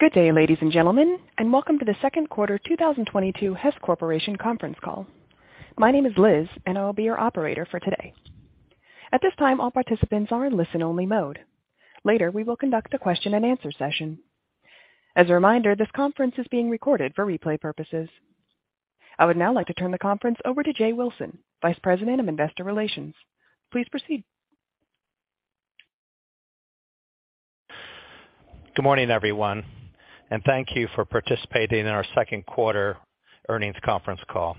Good day, ladies and gentlemen, and welcome to the second quarter 2022 Hess Corporation conference call. My name is Liz, and I'll be your operator for today. At this time, all participants are in listen only mode. Later, we will conduct a question and answer session. As a reminder, this conference is being recorded for replay purposes. I would now like to turn the conference over to Jay Wilson, Vice President of Investor Relations. Please proceed. Good morning, everyone, and thank you for participating in our second quarter earnings conference call.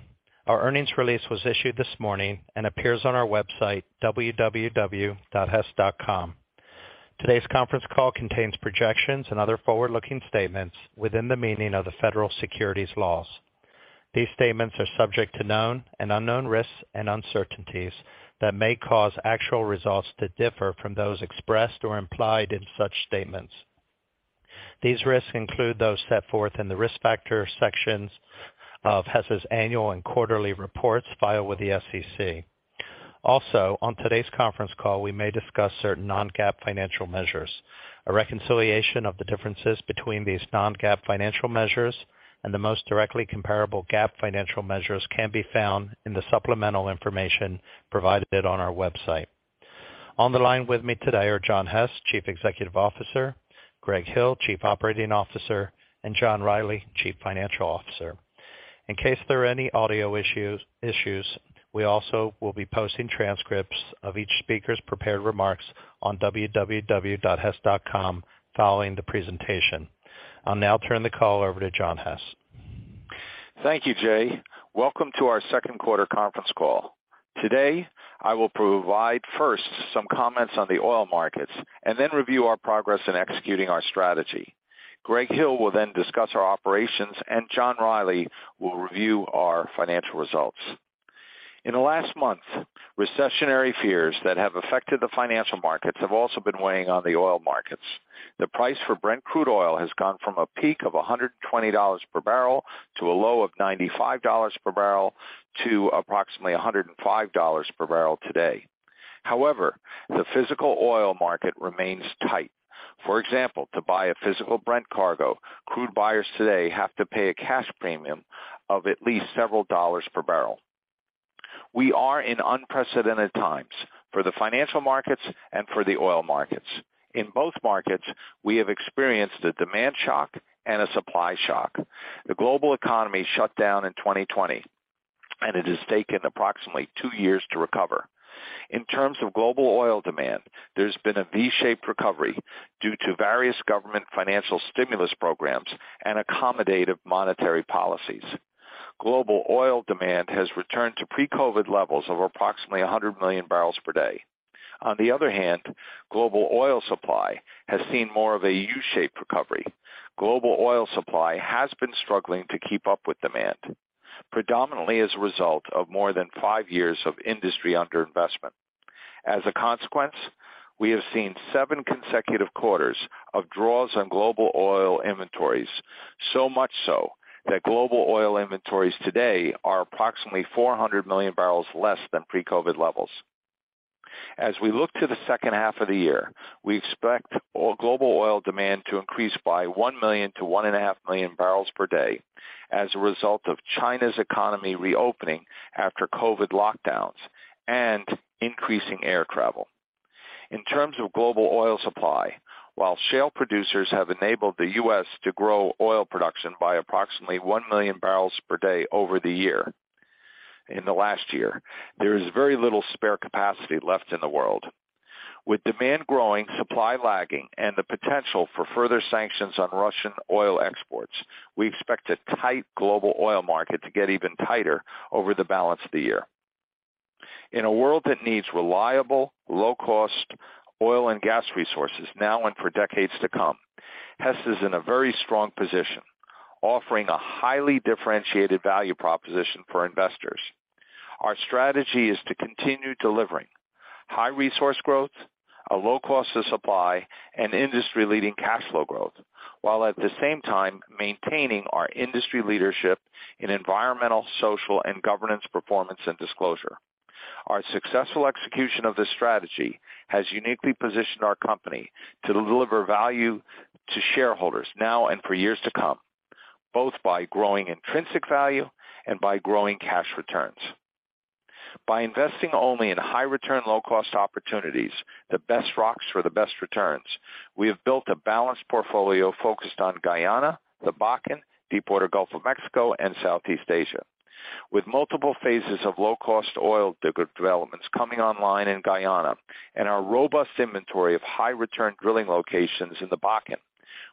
Our earnings release was issued this morning and appears on our website www.hess.com. Today's conference call contains projections and other forward-looking statements within the meaning of the Federal Securities laws. These statements are subject to known and unknown risks and uncertainties that may cause actual results to differ from those expressed or implied in such statements. These risks include those set forth in the Risk Factors sections of Hess's annual and quarterly reports filed with the SEC. Also, on today's conference call, we may discuss certain non-GAAP financial measures. A reconciliation of the differences between these non-GAAP financial measures and the most directly comparable GAAP financial measures can be found in the supplemental information provided on our website. On the line with me today are John Hess, Chief Executive Officer, Greg Hill, Chief Operating Officer, and John Rielly, Chief Financial Officer. In case there are any audio issues, we also will be posting transcripts of each speaker's prepared remarks on www.hess.com following the presentation. I'll now turn the call over to John Hess. Thank you, Jay. Welcome to our second quarter conference call. Today, I will provide first some comments on the oil markets and then review our progress in executing our strategy. Greg Hill will then discuss our operations and John Rielly will review our financial results. In the last month, recessionary fears that have affected the financial markets have also been weighing on the oil markets. The price for Brent crude oil has gone from a peak of $120 per barrel to a low of $95 per barrel to approximately $105 per barrel today. However, the physical oil market remains tight. For example, to buy a physical Brent cargo, crude buyers today have to pay a cash premium of at least several dollars per barrel. We are in unprecedented times for the financial markets and for the oil markets. In both markets, we have experienced a demand shock and a supply shock. The global economy shut down in 2020 and it has taken approximately 2 years to recover. In terms of global oil demand, there's been a V-shaped recovery due to various government financial stimulus programs and accommodative monetary policies. Global oil demand has returned to pre-COVID levels of approximately 100 million barrels per day. On the other hand, global oil supply has seen more of a U-shaped recovery. Global oil supply has been struggling to keep up with demand, predominantly as a result of more than 5 years of industry underinvestment. As a consequence, we have seen 7 consecutive quarters of draws on global oil inventories, so much so that global oil inventories today are approximately 400 million barrels less than pre-COVID levels. As we look to the second half of the year, we expect global oil demand to increase by 1 million to 1.5 million barrels per day as a result of China's economy reopening after COVID lockdowns and increasing air travel. In terms of global oil supply, while shale producers have enabled the U.S. to grow oil production by approximately 1 million barrels per day in the last year, there is very little spare capacity left in the world. With demand growing, supply lagging, and the potential for further sanctions on Russian oil exports, we expect a tight global oil market to get even tighter over the balance of the year. In a world that needs reliable, low cost oil and gas resources now and for decades to come, Hess is in a very strong position, offering a highly differentiated value proposition for investors. Our strategy is to continue delivering high resource growth, a low cost of supply, and industry leading cash flow growth, while at the same time maintaining our industry leadership in environmental, social, and governance performance and disclosure. Our successful execution of this strategy has uniquely positioned our company to deliver value to shareholders now and for years to come, both by growing intrinsic value and by growing cash returns. By investing only in high return, low cost opportunities, the best rocks for the best returns, we have built a balanced portfolio focused on Guyana, the Bakken, Deepwater Gulf of Mexico, and Southeast Asia. With multiple phases of low cost oil developments coming online in Guyana and our robust inventory of high return drilling locations in the Bakken,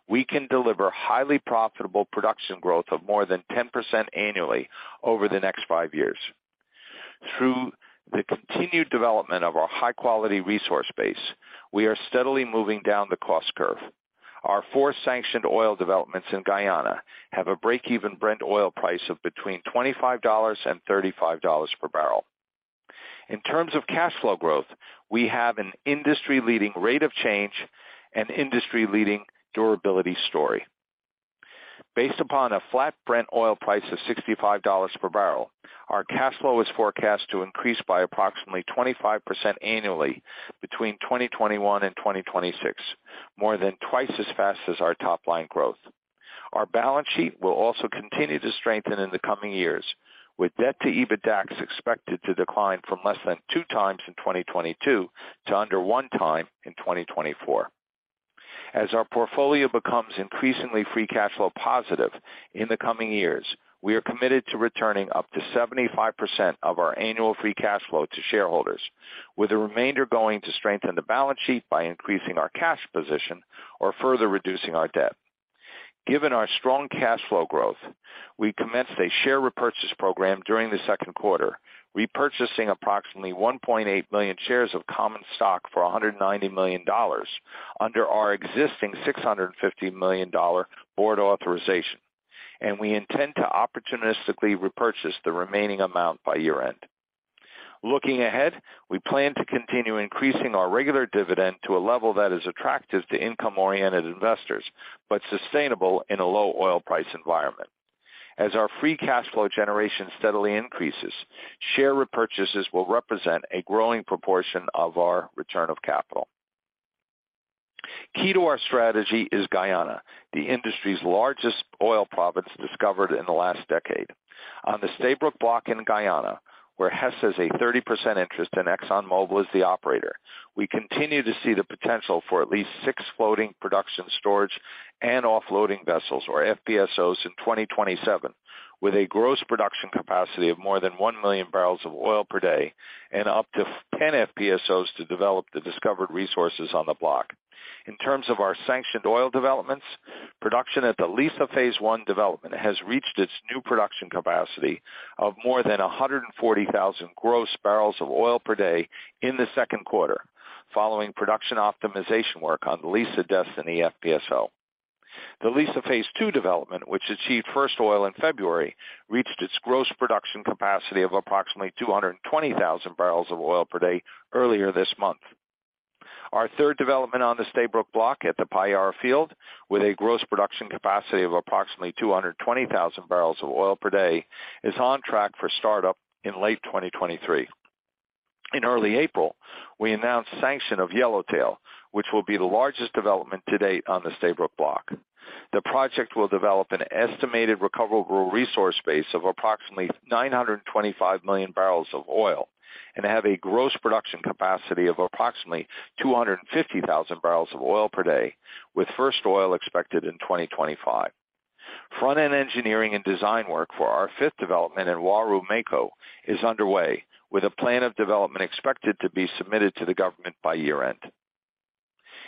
we can deliver highly profitable production growth of more than 10% annually over the next five years. Through the continued development of our high quality resource base, we are steadily moving down the cost curve. Our four sanctioned oil developments in Guyana have a break-even Brent oil price of between $25 and $35 per barrel. In terms of cash flow growth, we have an industry leading rate of change and industry leading durability story. Based upon a flat Brent oil price of $65 per barrel, our cash flow is forecast to increase by approximately 25% annually between 2021 and 2026, more than twice as fast as our top-line growth. Our balance sheet will also continue to strengthen in the coming years, with debt to EBITDAX expected to decline from less than 2x in 2022 to under 1x in 2024. As our portfolio becomes increasingly free cash flow positive in the coming years, we are committed to returning up to 75% of our annual free cash flow to shareholders, with the remainder going to strengthen the balance sheet by increasing our cash position or further reducing our debt. Given our strong cash flow growth, we commenced a share repurchase program during the second quarter, repurchasing approximately 1.8 million shares of common stock for $190 million under our existing $650 million board authorization, and we intend to opportunistically repurchase the remaining amount by year-end. Looking ahead, we plan to continue increasing our regular dividend to a level that is attractive to income-oriented investors, but sustainable in a low oil price environment. As our free cash flow generation steadily increases, share repurchases will represent a growing proportion of our return of capital. Key to our strategy is Guyana, the industry's largest oil province discovered in the last decade. On the Stabroek Block in Guyana, where Hess has a 30% interest and ExxonMobil is the operator, we continue to see the potential for at least 6 floating production storage and offloading vessels, or FPSOs, in 2027, with a gross production capacity of more than 1 million barrels of oil per day and up to 10 FPSOs to develop the discovered resources on the block. In terms of our sanctioned oil developments, production at the Liza Phase I development has reached its new production capacity of more than 140,000 gross barrels of oil per day in the second quarter, following production optimization work on the Liza Destiny FPSO. The Liza Phase II development, which achieved first oil in February, reached its gross production capacity of approximately 220,000 barrels of oil per day earlier this month. Our third development on the Stabroek Block at the Payara field, with a gross production capacity of approximately 220,000 barrels of oil per day, is on track for startup in late 2023. In early April, we announced sanction of Yellowtail, which will be the largest development to date on the Stabroek Block. The project will develop an estimated recoverable resource base of approximately 925 million barrels of oil and have a gross production capacity of approximately 250,000 barrels of oil per day, with first oil expected in 2025. Front-end engineering and design work for our fifth development in Uaru-Mako is underway, with a plan of development expected to be submitted to the government by year-end.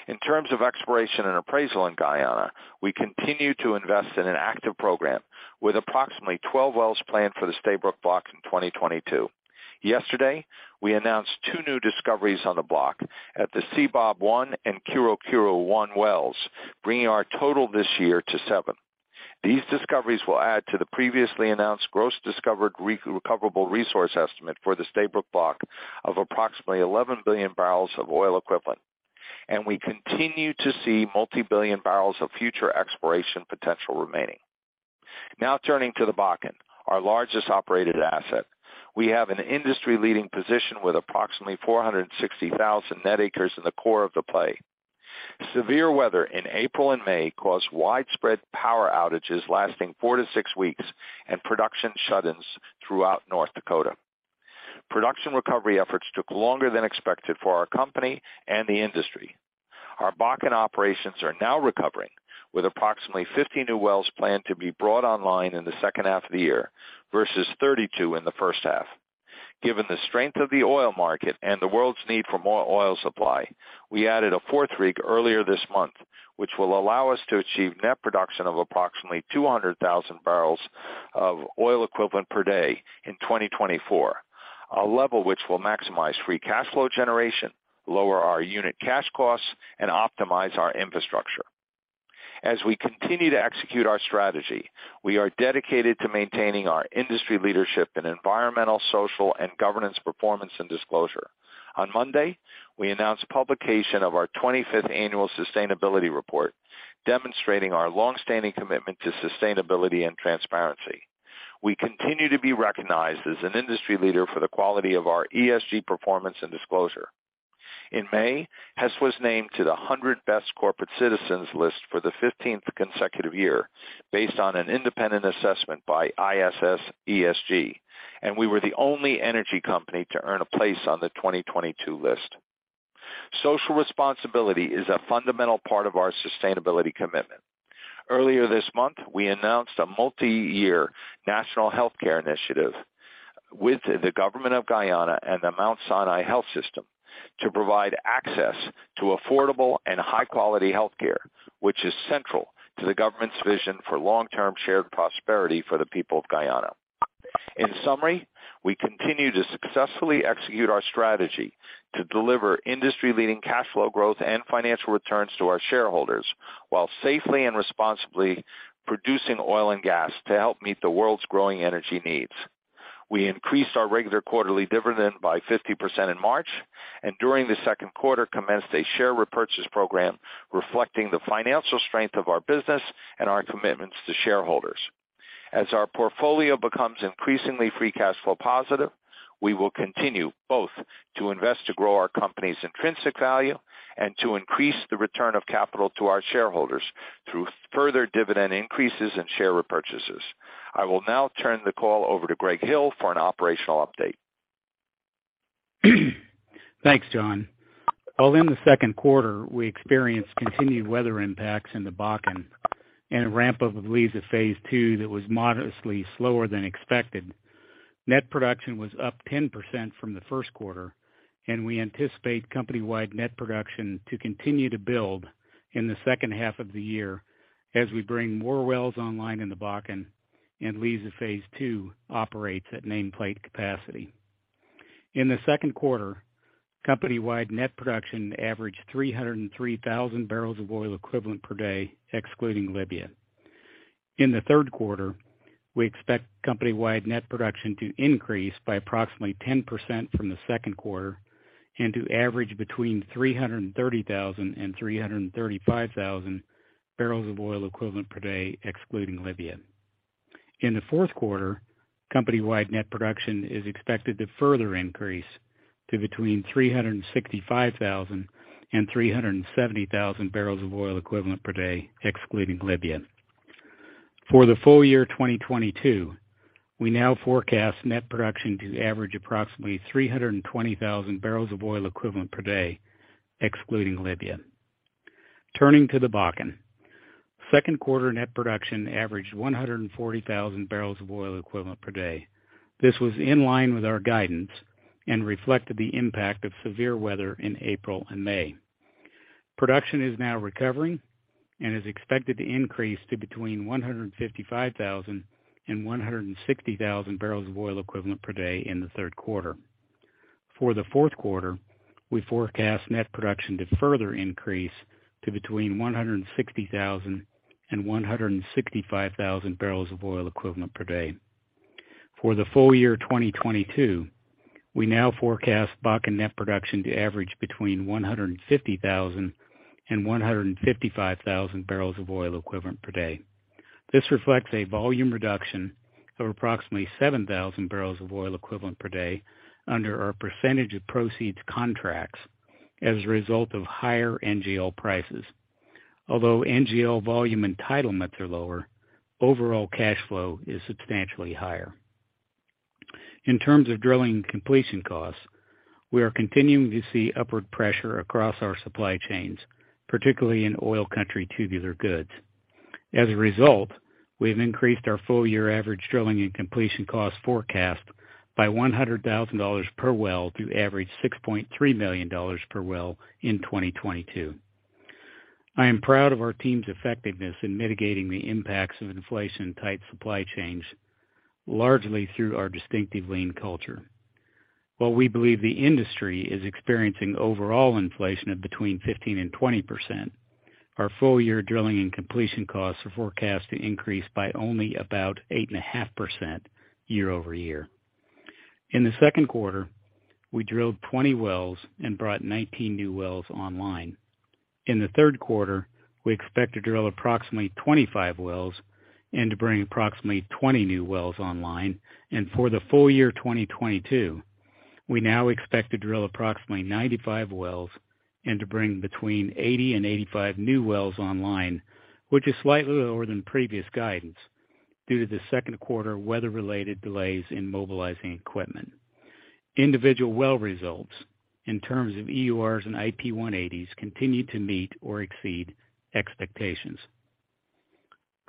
In terms of exploration and appraisal in Guyana, we continue to invest in an active program with approximately 12 wells planned for the Stabroek Block in 2022. Yesterday, we announced two new discoveries on the block at the Seabob and Kiru-Kiru-1 wells, bringing our total this year to 7. These discoveries will add to the previously announced gross discovered recoverable resource estimate for the Stabroek Block of approximately 11 billion barrels of oil equivalent. We continue to see multi-billion barrels of future exploration potential remaining. Now turning to the Bakken, our largest operated asset. We have an industry-leading position with approximately 460,000 net acres in the core of the play. Severe weather in April and May caused widespread power outages lasting 4-6 weeks and production shut-ins throughout North Dakota. Production recovery efforts took longer than expected for our company and the industry. Our Bakken operations are now recovering, with approximately 50 new wells planned to be brought online in the second half of the year versus 32 in the first half. Given the strength of the oil market and the world's need for more oil supply, we added a fourth rig earlier this month, which will allow us to achieve net production of approximately 200,000 barrels of oil equivalent per day in 2024, a level which will maximize free cash flow generation, lower our unit cash costs, and optimize our infrastructure. As we continue to execute our strategy, we are dedicated to maintaining our industry leadership in environmental, social, and governance performance and disclosure. On Monday, we announced publication of our 25th annual sustainability report, demonstrating our long-standing commitment to sustainability and transparency. We continue to be recognized as an industry leader for the quality of our ESG performance and disclosure. In May, Hess was named to the 100 Best Corporate Citizens list for the 15th consecutive year based on an independent assessment by ISS ESG, and we were the only energy company to earn a place on the 2022 list. Social responsibility is a fundamental part of our sustainability commitment. Earlier this month, we announced a multi-year national healthcare initiative with the government of Guyana and the Mount Sinai Health System to provide access to affordable and high-quality healthcare, which is central to the government's vision for long-term shared prosperity for the people of Guyana. In summary, we continue to successfully execute our strategy to deliver industry-leading cash flow growth and financial returns to our shareholders while safely and responsibly producing oil and gas to help meet the world's growing energy needs. We increased our regular quarterly dividend by 50% in March, and during the second quarter commenced a share repurchase program reflecting the financial strength of our business and our commitments to shareholders. As our portfolio becomes increasingly free cash flow positive, we will continue both to invest to grow our company's intrinsic value and to increase the return of capital to our shareholders through further dividend increases and share repurchases. I will now turn the call over to Greg Hill for an operational update. Thanks, John. Well, in the second quarter, we experienced continued weather impacts in the Bakken and a ramp-up of Liza Phase II that was modestly slower than expected. Net production was up 10% from the first quarter, and we anticipate company-wide net production to continue to build in the second half of the year as we bring more wells online in the Bakken and Liza Phase II operates at nameplate capacity. In the second quarter, company-wide net production averaged 303,000 barrels of oil equivalent per day, excluding Libya. In the third quarter, we expect company-wide net production to increase by approximately 10% from the second quarter and to average between 330,000 and 335,000 barrels of oil equivalent per day, excluding Libya. In the fourth quarter, company-wide net production is expected to further increase to between 365,000 and 370,000 barrels of oil equivalent per day, excluding Libya. For the full year 2022, we now forecast net production to average approximately 320,000 barrels of oil equivalent per day, excluding Libya. Turning to the Bakken. Second quarter net production averaged 140,000 barrels of oil equivalent per day. This was in line with our guidance and reflected the impact of severe weather in April and May. Production is now recovering and is expected to increase to between 155,000 and 160,000 barrels of oil equivalent per day in the third quarter. For the fourth quarter, we forecast net production to further increase to between 160,000 and 165,000 barrels of oil equivalent per day. For the full year 2022, we now forecast Bakken net production to average between 150,000 and 155,000 barrels of oil equivalent per day. This reflects a volume reduction of approximately 7,000 barrels of oil equivalent per day under our percentage of proceeds contracts as a result of higher NGL prices. Although NGL volume entitlements are lower, overall cash flow is substantially higher. In terms of drilling completion costs, we are continuing to see upward pressure across our supply chains, particularly in oil country tubular goods. As a result, we have increased our full year average drilling and completion cost forecast by $100,000 per well to average $6.3 million per well in 2022. I am proud of our team's effectiveness in mitigating the impacts of inflation and tight supply chains, largely through our distinctive lean culture. While we believe the industry is experiencing overall inflation of between 15% and 20%, our full year drilling and completion costs are forecast to increase by only about 8.5% year-over-year. In the second quarter, we drilled 20 wells and brought 19 new wells online. In the third quarter, we expect to drill approximately 25 wells and to bring approximately 20 new wells online. For the full year 2022, we now expect to drill approximately 95 wells and to bring between 80 and 85 new wells online, which is slightly lower than previous guidance due to the second quarter weather-related delays in mobilizing equipment. Individual well results in terms of EURs and IP 180s continued to meet or exceed expectations.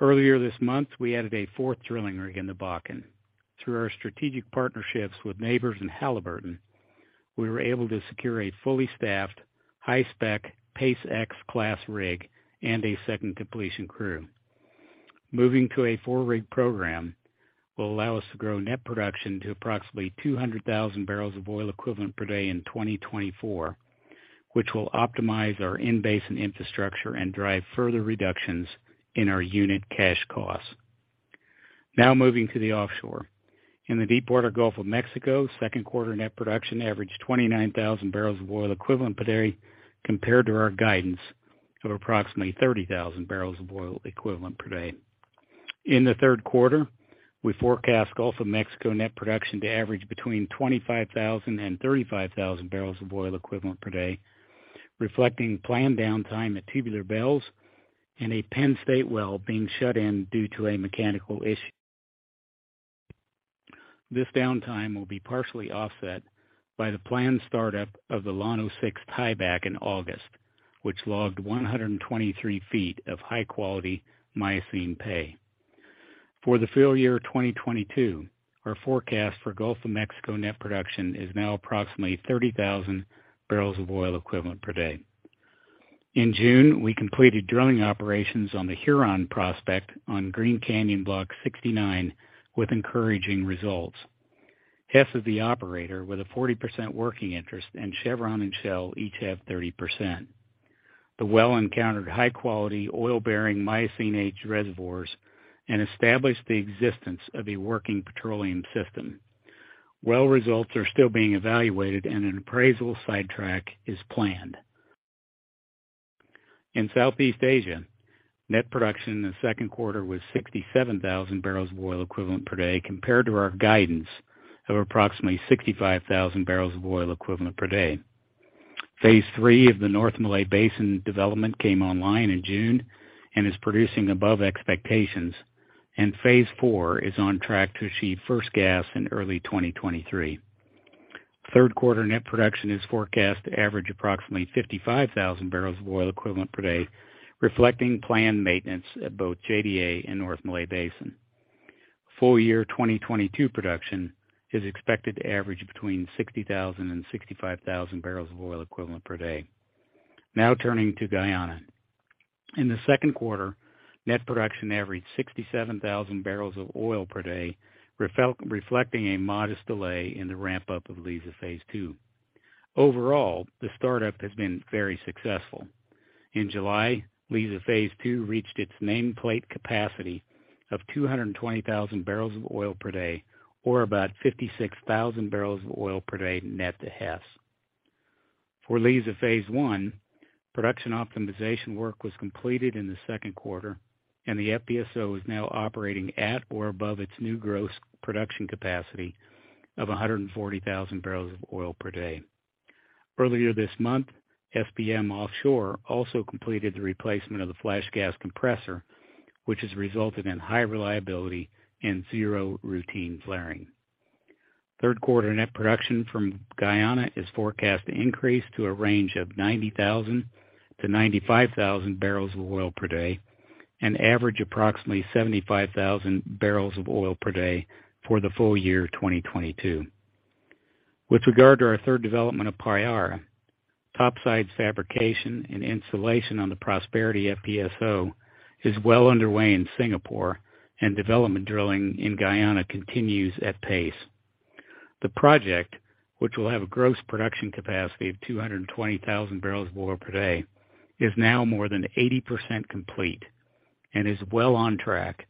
Earlier this month, we added a fourth drilling rig in the Bakken. Through our strategic partnerships with neighbors in Halliburton, we were able to secure a fully staffed, high-spec Pace X class rig and a second completion crew. Moving to a four-rig program will allow us to grow net production to approximately 200,000 barrels of oil equivalent per day in 2024, which will optimize our in-basin infrastructure and drive further reductions in our unit cash costs. Now moving to the offshore. In the Deepwater Gulf of Mexico, second quarter net production averaged 29,000 barrels of oil equivalent per day compared to our guidance of approximately 30,000 barrels of oil equivalent per day. In the third quarter, we forecast Gulf of Mexico net production to average between 25,000 and 35,000 barrels of oil equivalent per day, reflecting planned downtime at Tubular Bells and a Penn State well being shut in due to a mechanical issue. This downtime will be partially offset by the planned startup of the Llano-6 tieback in August, which logged 123 feet of high quality Miocene pay. For the full year 2022, our forecast for Gulf of Mexico net production is now approximately 30,000 barrels of oil equivalent per day. In June, we completed drilling operations on the Huron prospect on Green Canyon Block 69 with encouraging results. Hess is the operator with a 40% working interest, and Chevron and Shell each have 30%. The well encountered high-quality oil-bearing Miocene-age reservoirs and established the existence of a working petroleum system. Well results are still being evaluated, and an appraisal sidetrack is planned. In Southeast Asia, net production in the second quarter was 67,000 barrels of oil equivalent per day compared to our guidance of approximately 65,000 barrels of oil equivalent per day. Phase III of the North Malay Basin development came online in June and is producing above expectations, and phase IV is on track to achieve first gas in early 2023. Third quarter net production is forecast to average approximately 55,000 barrels of oil equivalent per day, reflecting planned maintenance at both JDA and North Malay Basin. Full year 2022 production is expected to average between 60,000 and 65,000 barrels of oil equivalent per day. Now turning to Guyana. In the second quarter, net production averaged 67,000 barrels of oil per day, reflecting a modest delay in the ramp up of Liza Phase II. Overall, the startup has been very successful. In July, Liza Phase II reached its nameplate capacity of 220,000 barrels of oil per day, or about 56,000 barrels of oil per day net to Hess. For Liza Phase I, production optimization work was completed in the second quarter, and the FPSO is now operating at or above its new gross production capacity of 140,000 barrels of oil per day. Earlier this month, SBM Offshore also completed the replacement of the flash gas compressor, which has resulted in high reliability and zero routine flaring. Third quarter net production from Guyana is forecast to increase to a range of 90,000-95,000 barrels of oil per day and average approximately 75,000 barrels of oil per day for the full year of 2022. With regard to our third development of Payara, topside fabrication and installation on the Prosperity FPSO is well underway in Singapore and development drilling in Guyana continues at pace. The project, which will have a gross production capacity of 220,000 barrels of oil per day, is now more than 80% complete and is well on track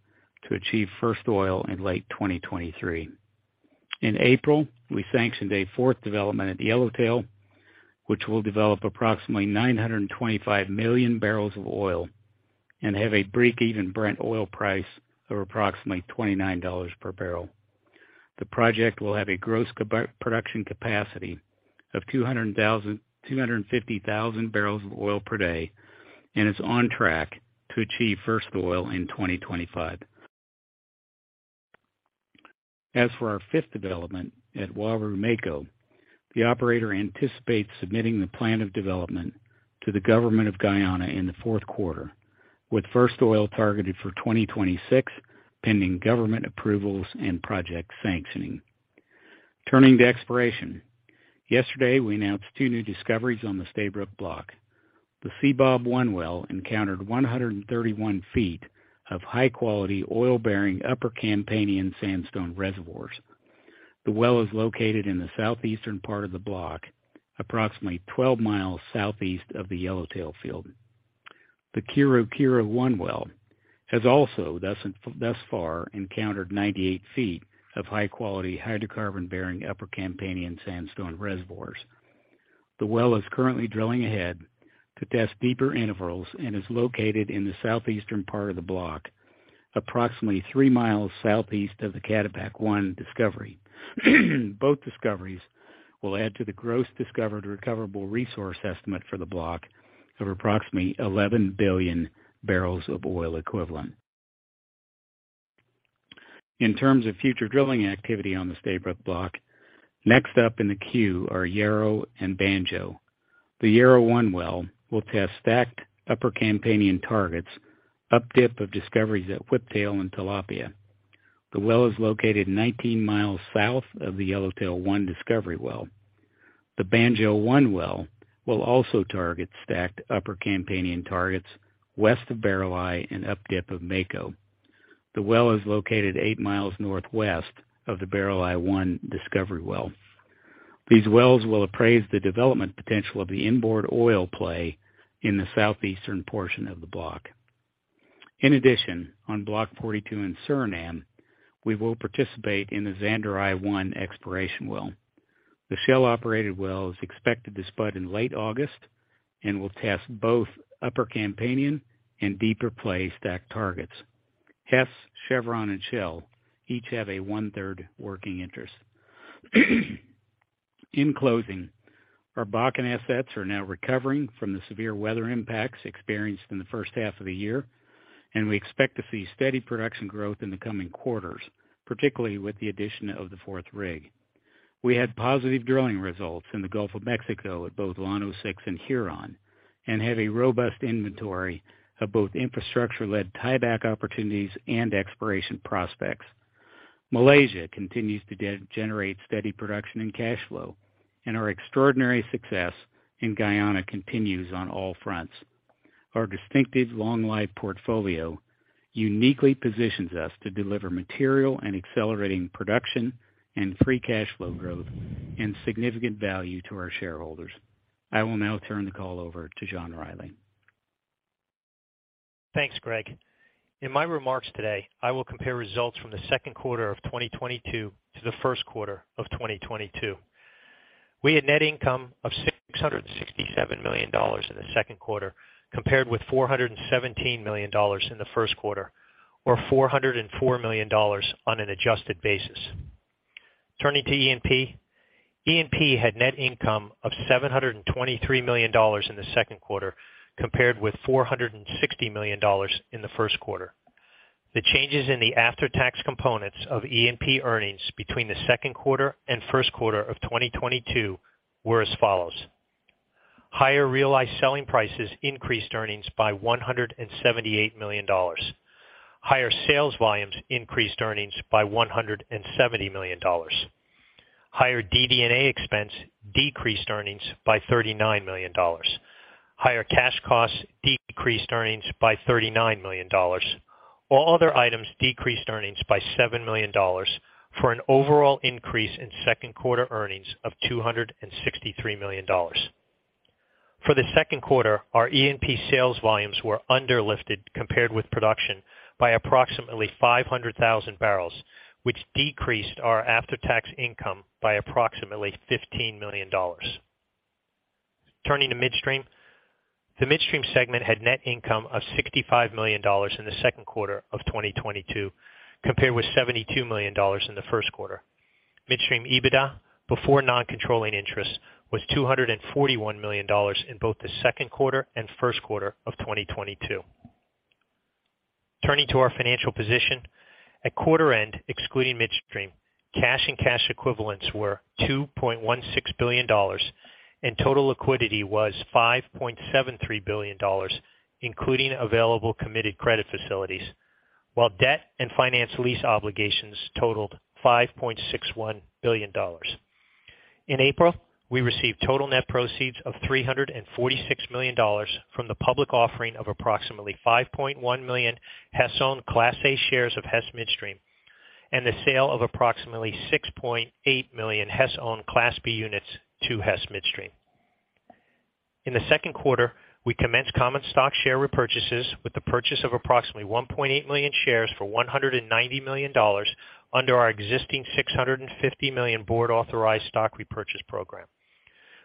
to achieve first oil in late 2023. In April, we sanctioned a fourth development at Yellowtail, which will develop approximately 925 million barrels of oil and have a break-even Brent oil price of approximately $29 per barrel. The project will have a gross production capacity of 250,000 barrels of oil per day and is on track to achieve first oil in 2025. As for our fifth development at Uaru-Mako, the operator anticipates submitting the plan of development to the Government of Guyana in the fourth quarter, with first oil targeted for 2026, pending government approvals and project sanctioning. Turning to exploration. Yesterday, we announced two new discoveries on the Stabroek Block. The Seabob-1 well encountered 131 feet of high-quality oil-bearing Upper Campanian sandstone reservoirs. The well is located in the southeastern part of the block, approximately 12 miles southeast of the Yellowtail field. The Kiru-Kiru-1 well has also thus far encountered 98 feet of high-quality hydrocarbon-bearing Upper Campanian sandstone reservoirs. The well is currently drilling ahead to test deeper intervals and is located in the southeastern part of the block, approximately 3 miles southeast of the Cataback-1 discovery. Both discoveries will add to the gross discovered recoverable resource estimate for the block of approximately 11 billion barrels of oil equivalent. In terms of future drilling activity on the Stabroek Block, next up in the queue are Yarrow and Banjo. The Yarrow-1 well will test stacked Upper Campanian targets updip of discoveries at Whiptail and Tilapia. The well is located 19 miles south of the Yellowtail-1 discovery well. The Banjo-1 well will also target stacked Upper Campanian targets west of Barreleye and updip of Mako. The well is located eight miles northwest of the Barreleye-1 discovery well. These wells will appraise the development potential of the inboard oil play in the southeastern portion of the block. In addition, on Block 42 in Suriname, we will participate in the Zanderij-1 exploration well. The Shell-operated well is expected to spud in late August and will test both Upper Campanian and deeper play stacked targets. Hess, Chevron, and Shell each have a one-third working interest. In closing, our Bakken assets are now recovering from the severe weather impacts experienced in the first half of the year, and we expect to see steady production growth in the coming quarters, particularly with the addition of the fourth rig. We had positive drilling results in the Gulf of Mexico at both Llano 6 and Huron, and have a robust inventory of both infrastructure-led tieback opportunities and exploration prospects. Malaysia continues to generate steady production and cash flow, and our extraordinary success in Guyana continues on all fronts. Our distinctive long-life portfolio. Uniquely positions us to deliver material and accelerating production and free cash flow growth and significant value to our shareholders. I will now turn the call over to John Rielly. Thanks, Greg. In my remarks today, I will compare results from the second quarter of 2022 to the first quarter of 2022. We had net income of $667 million in the second quarter compared with $417 million in the first quarter, or $404 million on an adjusted basis. Turning to E&P. E&P had net income of $723 million in the second quarter compared with $460 million in the first quarter. The changes in the after-tax components of E&P earnings between the second quarter and first quarter of 2022 were as follows. Higher realized selling prices increased earnings by $178 million. Higher sales volumes increased earnings by $170 million. Higher DD&A expense decreased earnings by $39 million. Higher cash costs decreased earnings by $39 million. All other items decreased earnings by $7 million. For an overall increase in second quarter earnings of $263 million. For the second quarter, our E&P sales volumes were underlifted compared with production by approximately 500,000 barrels, which decreased our after-tax income by approximately $15 million. Turning to Midstream. The Midstream segment had net income of $65 million in the second quarter of 2022, compared with $72 million in the first quarter. Midstream EBITDA before non-controlling interest was $241 million in both the second quarter and first quarter of 2022. Turning to our financial position. At quarter end, excluding Midstream, cash and cash equivalents were $2.16 billion and total liquidity was $5.73 billion, including available committed credit facilities, while debt and finance lease obligations totaled $5.61 billion. In April, we received total net proceeds of $346 million from the public offering of approximately 5.1 million Hess-owned Class A shares of Hess Midstream and the sale of approximately 6.8 million Hess-owned Class B units to Hess Midstream. In the second quarter, we commenced common stock share repurchases with the purchase of approximately 1.8 million shares for $190 million under our existing $650 million board authorized stock repurchase program.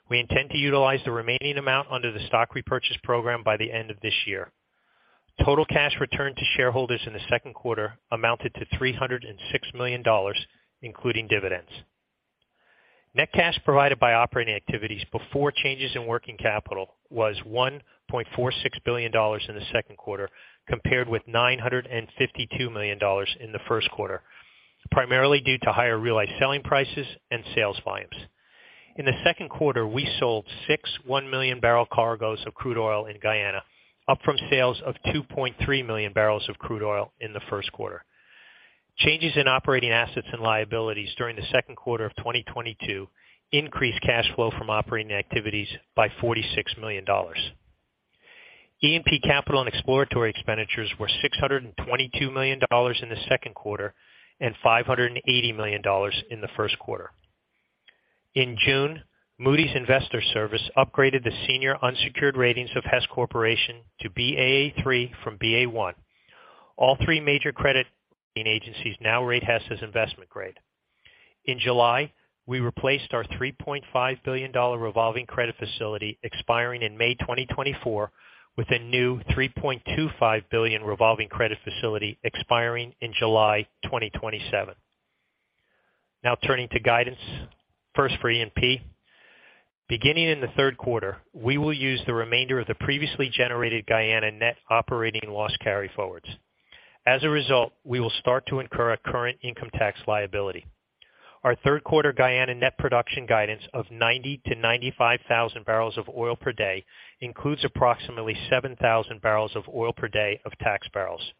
We intend to utilize the remaining amount under the stock repurchase program by the end of this year. Total cash returned to shareholders in the second quarter amounted to $306 million, including dividends. Net cash provided by operating activities before changes in working capital was $1.46 billion in the second quarter, compared with $952 million in the first quarter, primarily due to higher realized selling prices and sales volumes. In the second quarter, we sold 61 million barrel cargoes of crude oil in Guyana, up from sales of 2.3 million barrels of crude oil in the first quarter. Changes in operating assets and liabilities during the second quarter of 2022 increased cash flow from operating activities by $46 million. E&P capital and exploratory expenditures were $622 million in the second quarter and $580 million in the first quarter. In June, Moody's Investors Service upgraded the senior unsecured ratings of Hess Corporation to Baa3 from Ba1. All three major credit rating agencies now rate Hess as investment grade. In July, we replaced our $3.5 billion revolving credit facility expiring in May 2024 with a new $3.25 billion revolving credit facility expiring in July 2027. Now turning to guidance. First for E&P. Beginning in the third quarter, we will use the remainder of the previously generated Guyana net operating loss carryforwards. As a result, we will start to incur a current income tax liability. Our third quarter Guyana net production guidance of 90,000-95,000 barrels of oil per day includes approximately 7,000 barrels of oil per day of tax barrels.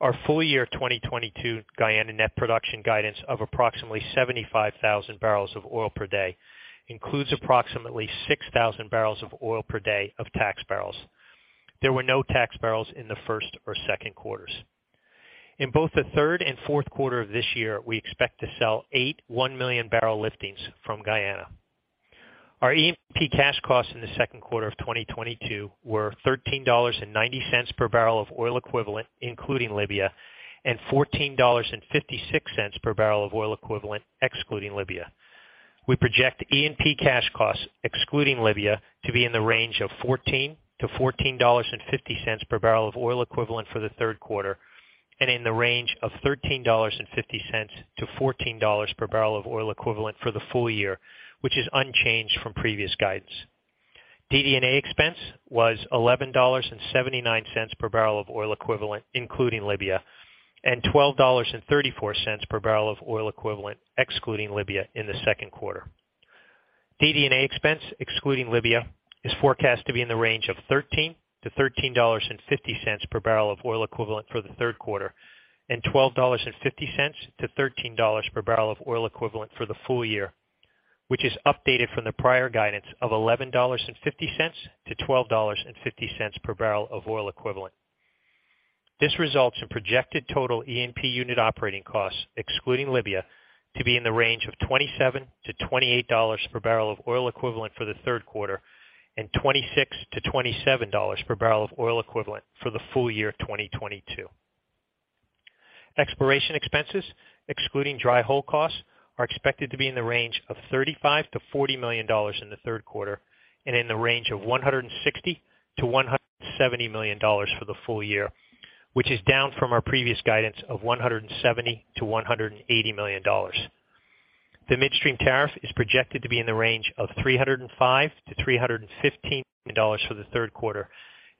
Our full year 2022 Guyana net production guidance of approximately 75,000 barrels of oil per day includes approximately 6,000 barrels of oil per day of tax barrels. There were no tax barrels in the first or second quarters. In both the third and fourth quarter of this year, we expect to sell 81 million barrel liftings from Guyana. Our E&P cash costs in the second quarter of 2022 were $13.90 per barrel of oil equivalent, including Libya, and $14.56 per barrel of oil equivalent excluding Libya. We project E&P cash costs excluding Libya to be in the range of $14-$14.50 per barrel of oil equivalent for the third quarter and in the range of $13.50-$14 per barrel of oil equivalent for the full year, which is unchanged from previous guidance. DD&A expense was $11.79 per barrel of oil equivalent, including Libya, and $12.34 per barrel of oil equivalent excluding Libya in the second quarter. DD&A expense excluding Libya is forecast to be in the range of $13-$13.50 per barrel of oil equivalent for the third quarter, and $12.50-$13 per barrel of oil equivalent for the full year, which is updated from the prior guidance of $11.50-$12.50 per barrel of oil equivalent. This results in projected total E&P unit operating costs, excluding Libya, to be in the range of $27-$28 per barrel of oil equivalent for the third quarter, and $26-$27 per barrel of oil equivalent for the full year of 2022. Exploration expenses, excluding dry hole costs, are expected to be in the range of $35 million-$40 million in the third quarter and in the range of $160 million-$170 million for the full year, which is down from our previous guidance of $170 million-$180 million. The midstream tariff is projected to be in the range of $305 million-$315 million for the third quarter,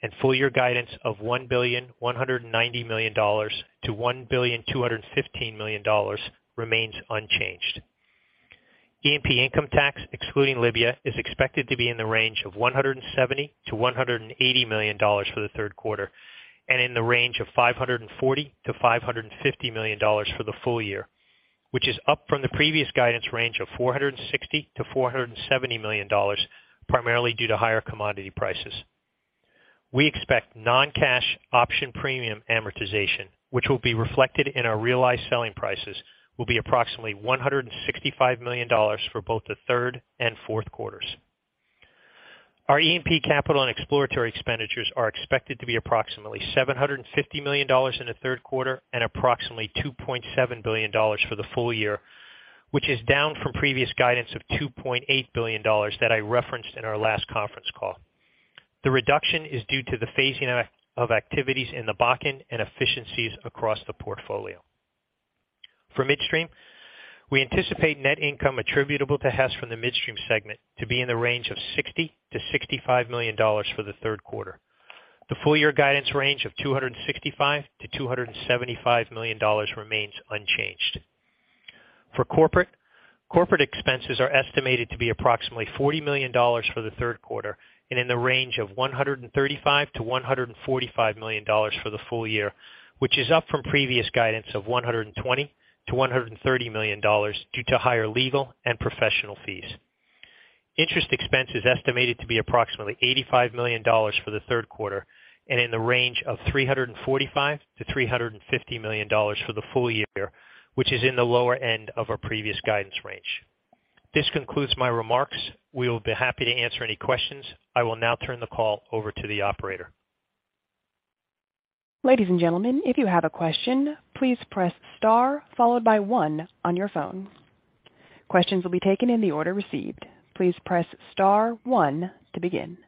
and full year guidance of $1.19 billion-$1.215 billion remains unchanged. E&P income tax, excluding Libya, is expected to be in the range of $170 million-$180 million for the third quarter and in the range of $540 million-$550 million for the full year, which is up from the previous guidance range of $460 million-$470 million, primarily due to higher commodity prices. We expect non-cash option premium amortization, which will be reflected in our realized selling prices, will be approximately $165 million for both the third and fourth quarters. Our E&P capital and exploratory expenditures are expected to be approximately $750 million in the third quarter and approximately $2.7 billion for the full year, which is down from previous guidance of $2.8 billion that I referenced in our last conference call. The reduction is due to the phasing of activities in the Bakken and efficiencies across the portfolio. For midstream, we anticipate net income attributable to Hess from the midstream segment to be in the range of $60-$65 million for the third quarter. The full year guidance range of $265-$275 million remains unchanged. Corporate expenses are estimated to be approximately $40 million for the third quarter and in the range of $135 million-$145 million for the full year, which is up from previous guidance of $120 million-$130 million due to higher legal and professional fees. Interest expense is estimated to be approximately $85 million for the third quarter and in the range of $345 million-$350 million for the full year, which is in the lower end of our previous guidance range. This concludes my remarks. We will be happy to answer any questions. I will now turn the call over to the operator. Ladies and gentlemen, if you have a question, please press star followed by one on your phone. Questions will be taken in the order received. Please press star one to begin.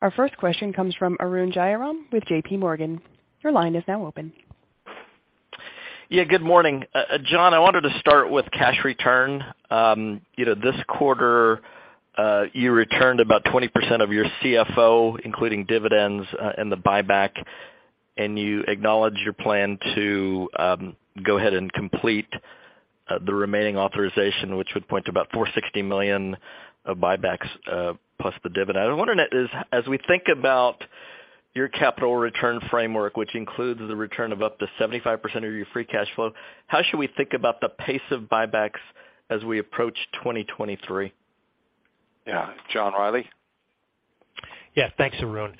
Our first question comes from Arun Jayaram with JPMorgan. Your line is now open. Yeah, good morning. John, I wanted to start with cash return. You know, this quarter, you returned about 20% of your CFO, including dividends, and the buyback, and you acknowledge your plan to go ahead and complete the remaining authorization, which would point to about $460 million of buybacks, plus the dividend. I'm wondering as we think about your capital return framework, which includes the return of up to 75% of your free cash flow, how should we think about the pace of buybacks as we approach 2023? Yeah. John Rielly? Yeah. Thanks, Arun.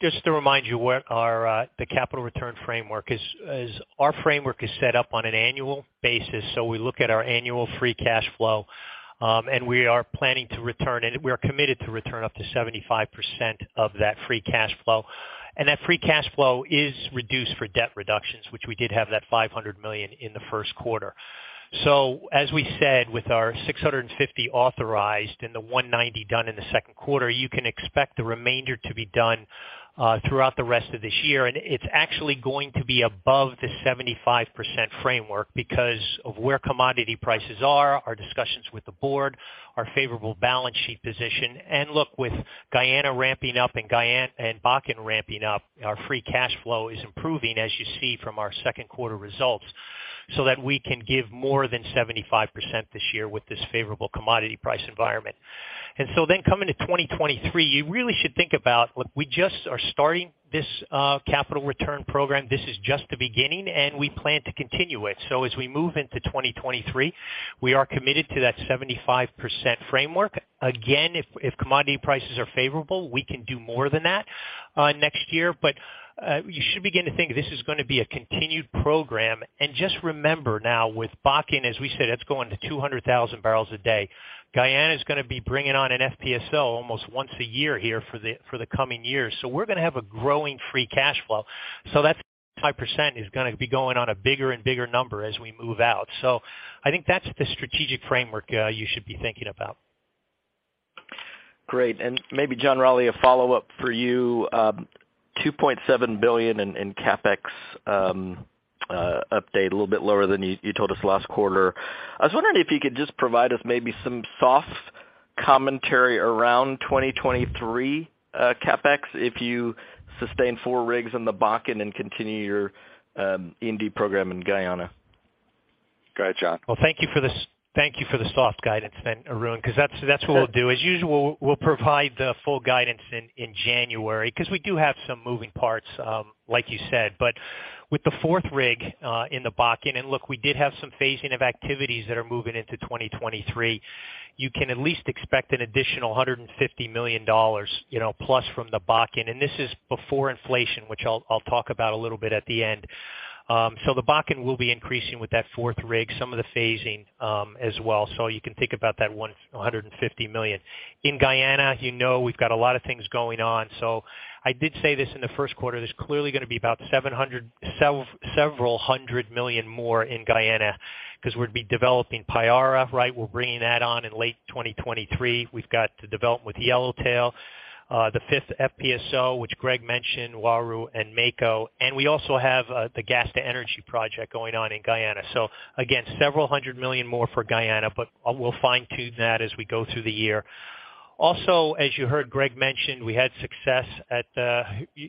Just to remind you where our capital return framework is. Our framework is set up on an annual basis. We look at our annual free cash flow, and we are planning to return it. We are committed to return up to 75% of that free cash flow. That free cash flow is reduced for debt reductions, which we did have that $500 million in the first quarter. As we said, with our $650 authorized and the $190 done in the second quarter, you can expect the remainder to be done throughout the rest of this year. It's actually going to be above the 75% framework because of where commodity prices are, our discussions with the board, our favorable balance sheet position. Look, with Guyana ramping up and Bakken ramping up, our free cash flow is improving, as you see from our second quarter results, so that we can give more than 75% this year with this favorable commodity price environment. Coming to 2023, you really should think about, look, we just are starting this capital return program. This is just the beginning and we plan to continue it. As we move into 2023, we are committed to that 75% framework. Again, if commodity prices are favorable, we can do more than that next year. You should begin to think this is gonna be a continued program. Just remember now with Bakken, as we said, that's going to 200,000 barrels a day. Guyana is gonna be bringing on an FPSO almost once a year here for the coming years. We're gonna have a growing free cash flow. That 75% is gonna be going on a bigger and bigger number as we move out. I think that's the strategic framework you should be thinking about. Great. Maybe John Rielly, a follow-up for you. $2.7 billion in CapEx update, a little bit lower than you told us last quarter. I was wondering if you could just provide us maybe some soft commentary around 2023 CapEx if you sustain 4 rigs in the Bakken and continue your IND program in Guyana. Go ahead, John. Thank you for this. Thank you for the soft guidance then, Arun, because that's what we'll do. As usual, we'll provide the full guidance in January because we do have some moving parts, like you said. With the fourth rig in the Bakken, and look, we did have some phasing of activities that are moving into 2023. You can at least expect an additional $150 million, you know, plus from the Bakken. This is before inflation, which I'll talk about a little bit at the end. The Bakken will be increasing with that fourth rig, some of the phasing, as well. You can think about that $150 million. In Guyana, you know we've got a lot of things going on. I did say this in the first quarter. There's clearly going to be about several hundred million more in Guyana because we'd be developing Payara, right? We're bringing that on in late 2023. We've got to develop with Yellowtail, the fifth FPSO, which Greg mentioned, Uaru and Mako. We also have the Gas to Energy project going on in Guyana. Again, several hundred million more for Guyana, but we'll fine-tune that as we go through the year. Also, as you heard Greg mention, we had success at the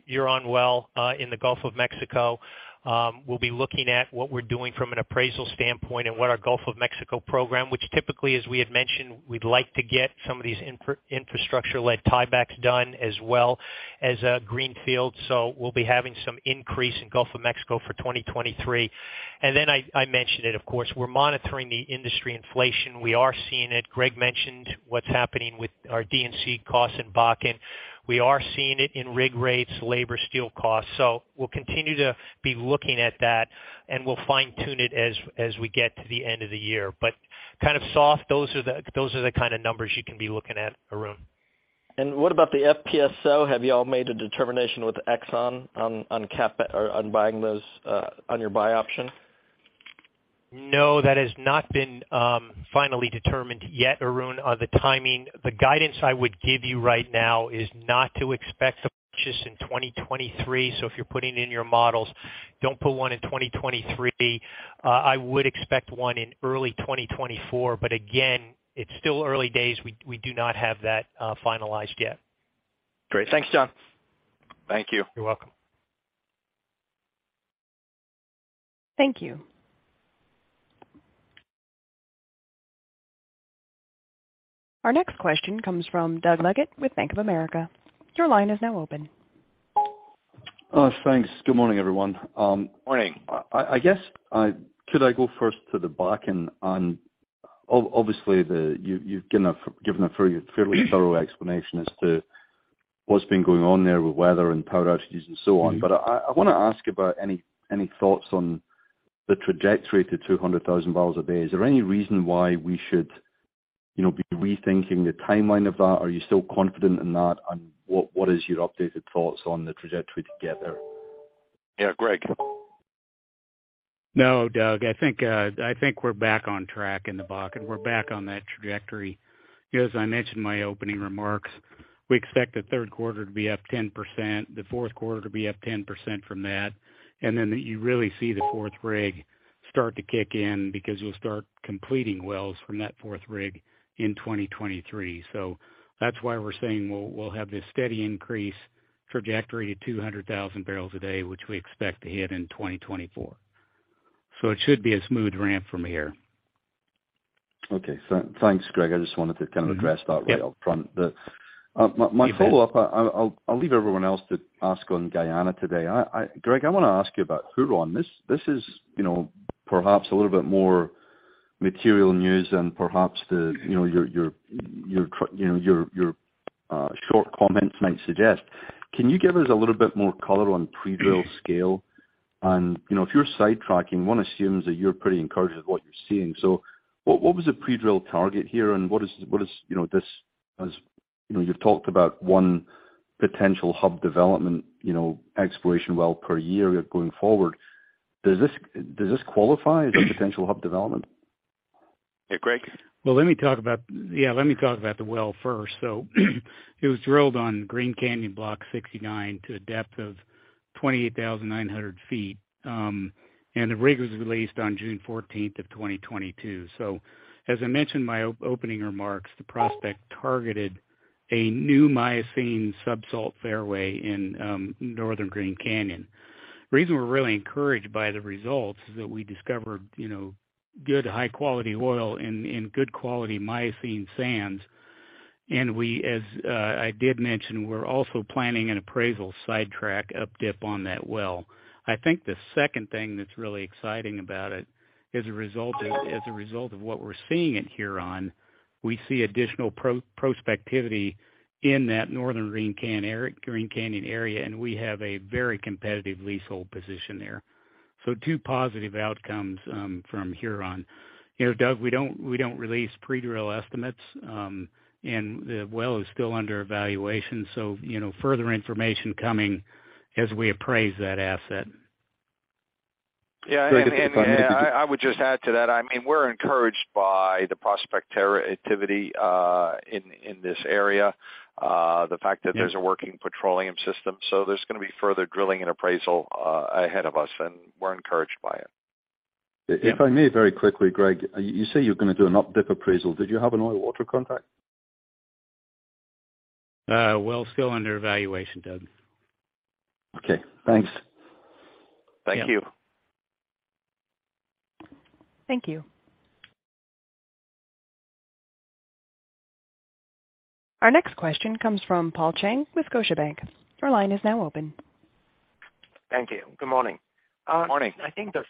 Huron well in the Gulf of Mexico. We'll be looking at what we're doing from an appraisal standpoint and what our Gulf of Mexico program, which typically, as we had mentioned, we'd like to get some of these infrastructure-led tiebacks done as well as greenfield. We'll be having some increase in Gulf of Mexico for 2023. I mentioned it, of course, we're monitoring the industry inflation. We are seeing it. Greg mentioned what's happening with our D&C costs in Bakken. We are seeing it in rig rates, labor, steel costs. We'll continue to be looking at that and we'll fine-tune it as we get to the end of the year. Kind of soft, those are the kind of numbers you can be looking at, Arun. What about the FPSO? Have you all made a determination with Exxon on buying those on your buy option? No, that has not been finally determined yet, Arun. The timing. The guidance I would give you right now is not to expect a purchase in 2023. If you're putting in your models, don't put one in 2023. I would expect one in early 2024, but again, it's still early days. We do not have that finalized yet. Great. Thanks, John. Thank you. You're welcome. Thank you. Our next question comes from Doug Leggate with Bank of America. Your line is now open. Thanks. Good morning, everyone. I guess could I go first to the Bakken? Obviously, you've given a very fairly thorough explanation as to what's been going on there with weather and power outages and so on. But I wanna ask about any thoughts on the trajectory to 200,000 barrels a day. Is there any reason why we should, you know, be rethinking the timeline of that? Are you still confident in that? What is your updated thoughts on the trajectory to get there? Yeah, Greg. No, Doug, I think I think we're back on track in the Bakken. We're back on that trajectory. You know, as I mentioned in my opening remarks, we expect the third quarter to be up 10%, the fourth quarter to be up 10% from that, and then you really see the fourth rig start to kick in because you'll start completing wells from that fourth rig in 2023. That's why we're saying we'll have this steady increase trajectory to 200,000 barrels a day, which we expect to hit in 2024. It should be a smooth ramp from here. Okay. Thanks, Greg. I just wanted to kind of address that right up front. Mm-hmm. Yep. My follow-up, I'll leave everyone else to ask on Guyana today. Greg, I wanna ask you about Huron. This is, you know, perhaps a little bit more material news than perhaps your short comments might suggest. Can you give us a little bit more color on pre-drill scale? You know, if you're sidetracking, one assumes that you're pretty encouraged with what you're seeing. What was the pre-drill target here and what is this? You know, you've talked about one potential hub development exploration well per year going forward. Does this qualify as a potential hub development? Yeah, Greg. Well, let me talk about the well first. It was drilled on Green Canyon block 69 to a depth of 28,900 feet, and the rig was released on June 14, 2022. As I mentioned in my opening remarks, the prospect targeted a new Miocene subsalt fairway in northern Green Canyon. The reason we're really encouraged by the results is that we discovered, you know, good high quality oil and good quality Miocene sands. As I did mention, we're also planning an appraisal sidetrack updip on that well. I think the second thing that's really exciting about it is, as a result of what we're seeing at Huron, we see additional prospectivity in that northern Green Canyon area, and we have a very competitive leasehold position there. Two positive outcomes from Huron. You know, Doug, we don't release pre-drill estimates, and the well is still under evaluation, so, you know, further information coming as we appraise that asset. I would just add to that. I mean, we're encouraged by the prospecting activity in this area, the fact that there's a working petroleum system. There's gonna be further drilling and appraisal ahead of us, and we're encouraged by it. If I may very quickly, Greg, you say you're gonna do an updip appraisal. Did you have an oil-water contact? Well, still under evaluation, Doug. Okay, thanks. Thank you. Thank you. Our next question comes from Paul Cheng with Scotiabank. Your line is now open. Thank you. Good morning. Good morning. I think the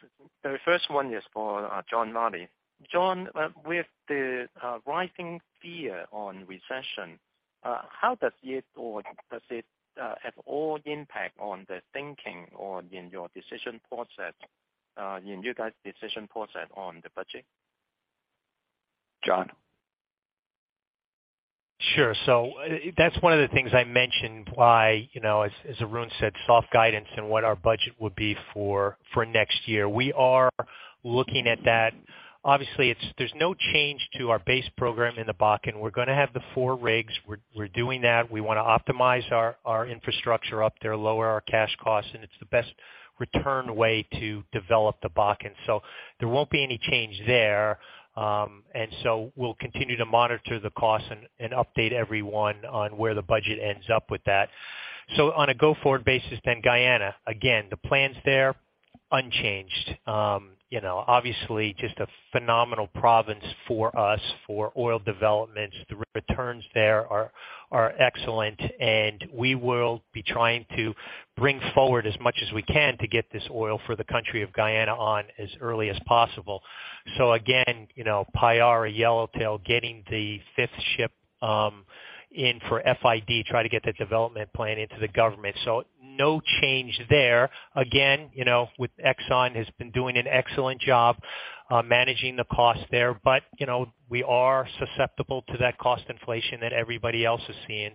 first one is for John Rielly. John, with the rising fear of recession, how does it at all impact on the thinking or in your decision process on the budget? John? Sure. That's one of the things I mentioned why, you know, as Arun said, soft guidance and what our budget would be for next year. We are looking at that. Obviously, it's. There's no change to our base program in the Bakken. We're gonna have the four rigs. We're doing that. We wanna optimize our infrastructure up there, lower our cash costs, and it's the best return way to develop the Bakken. There won't be any change there. We'll continue to monitor the costs and update everyone on where the budget ends up with that. On a go-forward basis then Guyana, again, the plans there, unchanged. You know, obviously just a phenomenal province for us for oil development. The returns there are excellent, and we will be trying to bring forward as much as we can to get this oil for the country of Guyana on as early as possible. Again, you know, Payara, Yellowtail, getting the fifth ship in for FID, try to get the development plan into the government. No change there. Again, you know, Exxon has been doing an excellent job managing the cost there. You know, we are susceptible to that cost inflation that everybody else is seeing.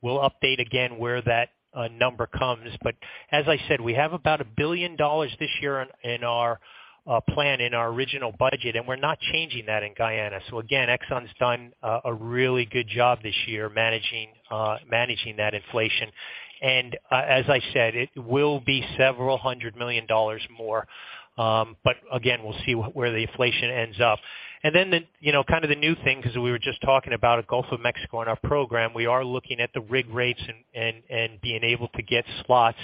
We'll update again where that number comes. As I said, we have about $1 billion this year in our plan, in our original budget, and we're not changing that in Guyana. Again, Exxon's done a really good job this year managing that inflation. As I said, it will be $several hundred million more. But again, we'll see where the inflation ends up. Then the, you know, kind of the new thing, 'cause we were just talking about Gulf of Mexico in our program, we are looking at the rig rates and being able to get slots.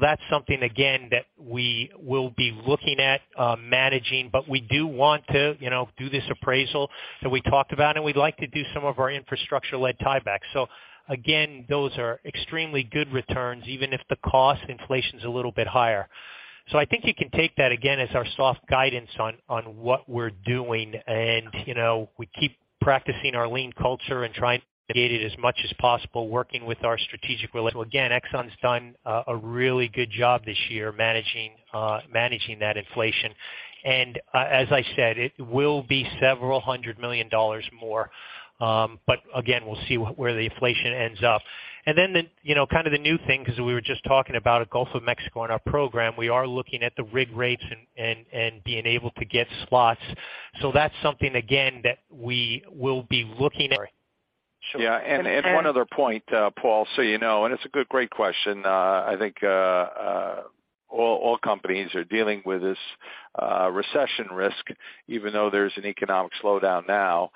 That's something, again, that we will be looking at, managing. We do want to, you know, do this appraisal that we talked about, and we'd like to do some of our infrastructure-led tiebacks. Again, those are extremely good returns, even if the cost inflation's a little bit higher. I think you can take that again as our soft guidance on what we're doing. You know, we keep practicing our lean culture and trying to get it as much as possible, working with our strategic relations. Exxon’s done a really good job this year managing that inflation. As I said, it will be $ several hundred million more. Again, we'll see where the inflation ends up. You know, kind of the new thing, 'cause we were just talking about Gulf of Mexico in our program, we are looking at the rig rates and being able to get slots. That's something again that we will be looking at. Yeah. One other point, Paul, so you know, and it's a good, great question. I think all oil companies are dealing with this recession risk, even though there's an economic slowdown now.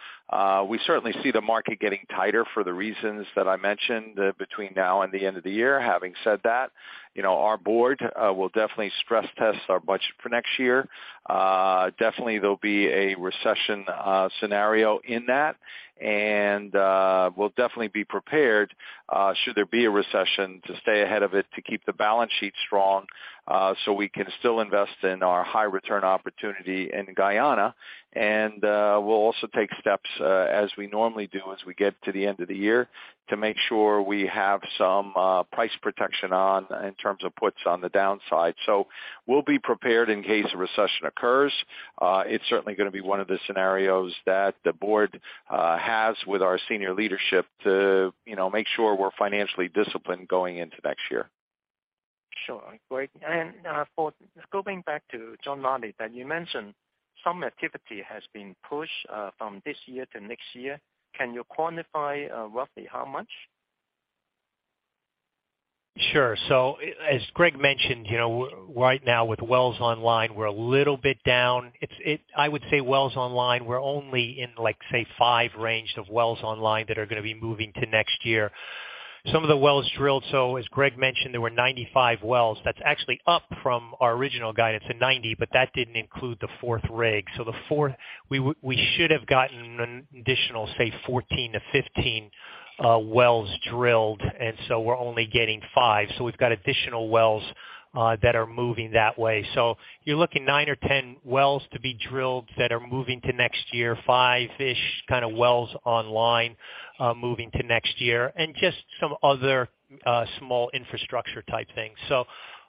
We certainly see the market getting tighter for the reasons that I mentioned between now and the end of the year. Having said that, you know, our board will definitely stress test our budget for next year. Definitely there'll be a recession scenario in that. We'll definitely be prepared should there be a recession to stay ahead of it to keep the balance sheet strong, so we can still invest in our high return opportunity in Guyana. We'll also take steps as we normally do as we get to the end of the year to make sure we have some price protection on in terms of puts on the downside. We'll be prepared in case a recession occurs. It's certainly gonna be one of the scenarios that the board has with our senior leadership to, you know, make sure we're financially disciplined going into next year. Sure. Great. Going back to John Rielly, that you mentioned some activity has been pushed from this year to next year. Can you quantify, roughly, how much? Sure. As Greg mentioned, you know, right now with wells online, we're a little bit down. I would say wells online, we're only in 5 range of wells online that are gonna be moving to next year. Some of the wells drilled. As Greg mentioned, there were 95 wells. That's actually up from our original guidance of 90, but that didn't include the fourth rig. The fourth we should have gotten an additional 14-15 wells drilled, and we're only getting 5. We've got additional wells that are moving that way. You're looking 9 or 10 wells to be drilled that are moving to next year, 5-ish kinda wells online moving to next year, and just some other small infrastructure type things.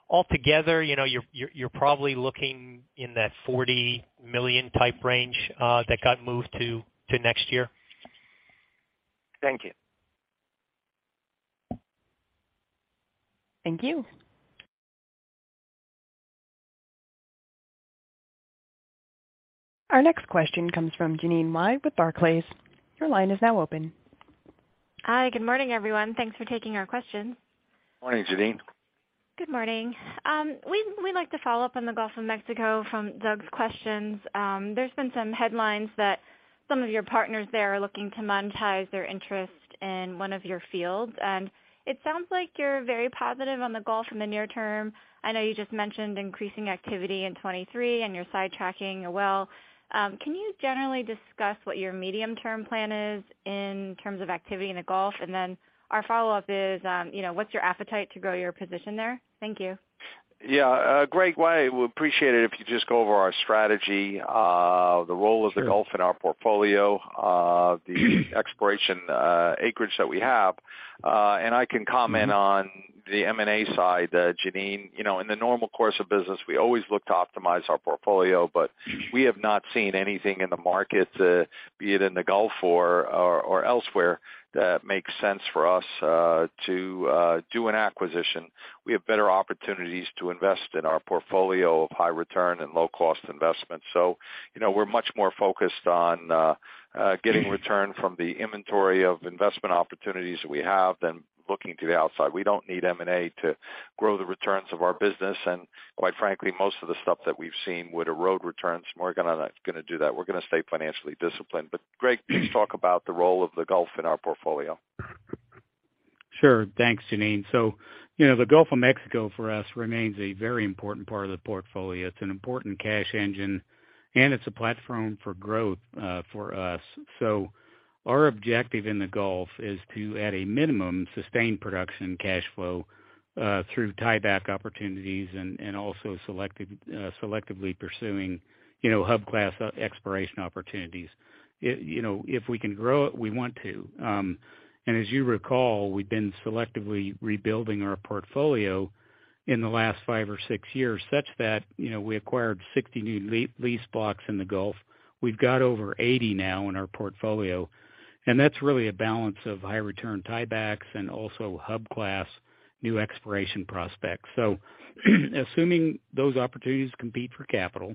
Altogether, you know, you're probably looking in that $40 million type range that got moved to next year. Thank you. Thank you. Our next question comes from Jeanine Wai with Barclays. Your line is now open. Hi. Good morning, everyone. Thanks for taking our questions. Morning, Jeanine. Good morning. We'd like to follow up on the Gulf of Mexico from Doug's questions. There's been some headlines that some of your partners there are looking to monetize their interest in one of your fields, and it sounds like you're very positive on the Gulf in the near term. I know you just mentioned increasing activity in 2023 and you're sidetracking a well. Can you generally discuss what your medium-term plan is in terms of activity in the Gulf? Our follow-up is, you know, what's your appetite to grow your position there? Thank you. Yeah. Greg, we'd appreciate it if you just go over our strategy, the role of the Gulf in our portfolio, the exploration acreage that we have. I can comment on the M&A side, Jeanine. You know, in the normal course of business, we always look to optimize our portfolio, but we have not seen anything in the market, be it in the Gulf or elsewhere that makes sense for us to do an acquisition. We have better opportunities to invest in our portfolio of high return and low-cost investments. You know, we're much more focused on getting return from the inventory of investment opportunities that we have than looking to the outside. We don't need M&A to grow the returns of our business. Quite frankly, most of the stuff that we've seen would erode returns, and we're not gonna do that. We're gonna stay financially disciplined. Greg, please talk about the role of the Gulf in our portfolio. Sure. Thanks, Jeanine. You know, the Gulf of Mexico for us remains a very important part of the portfolio. It's an important cash engine, and it's a platform for growth for us. Our objective in the Gulf is to, at a minimum, sustain production cash flow through tieback opportunities and also selected selectively pursuing, you know, hub class exploration opportunities. You know, if we can grow it, we want to. As you recall, we've been selectively rebuilding our portfolio in the last five or six years such that, you know, we acquired 60 new lease blocks in the Gulf. We've got over 80 now in our portfolio, and that's really a balance of high return tiebacks and also hub class new exploration prospects. Assuming those opportunities compete for capital,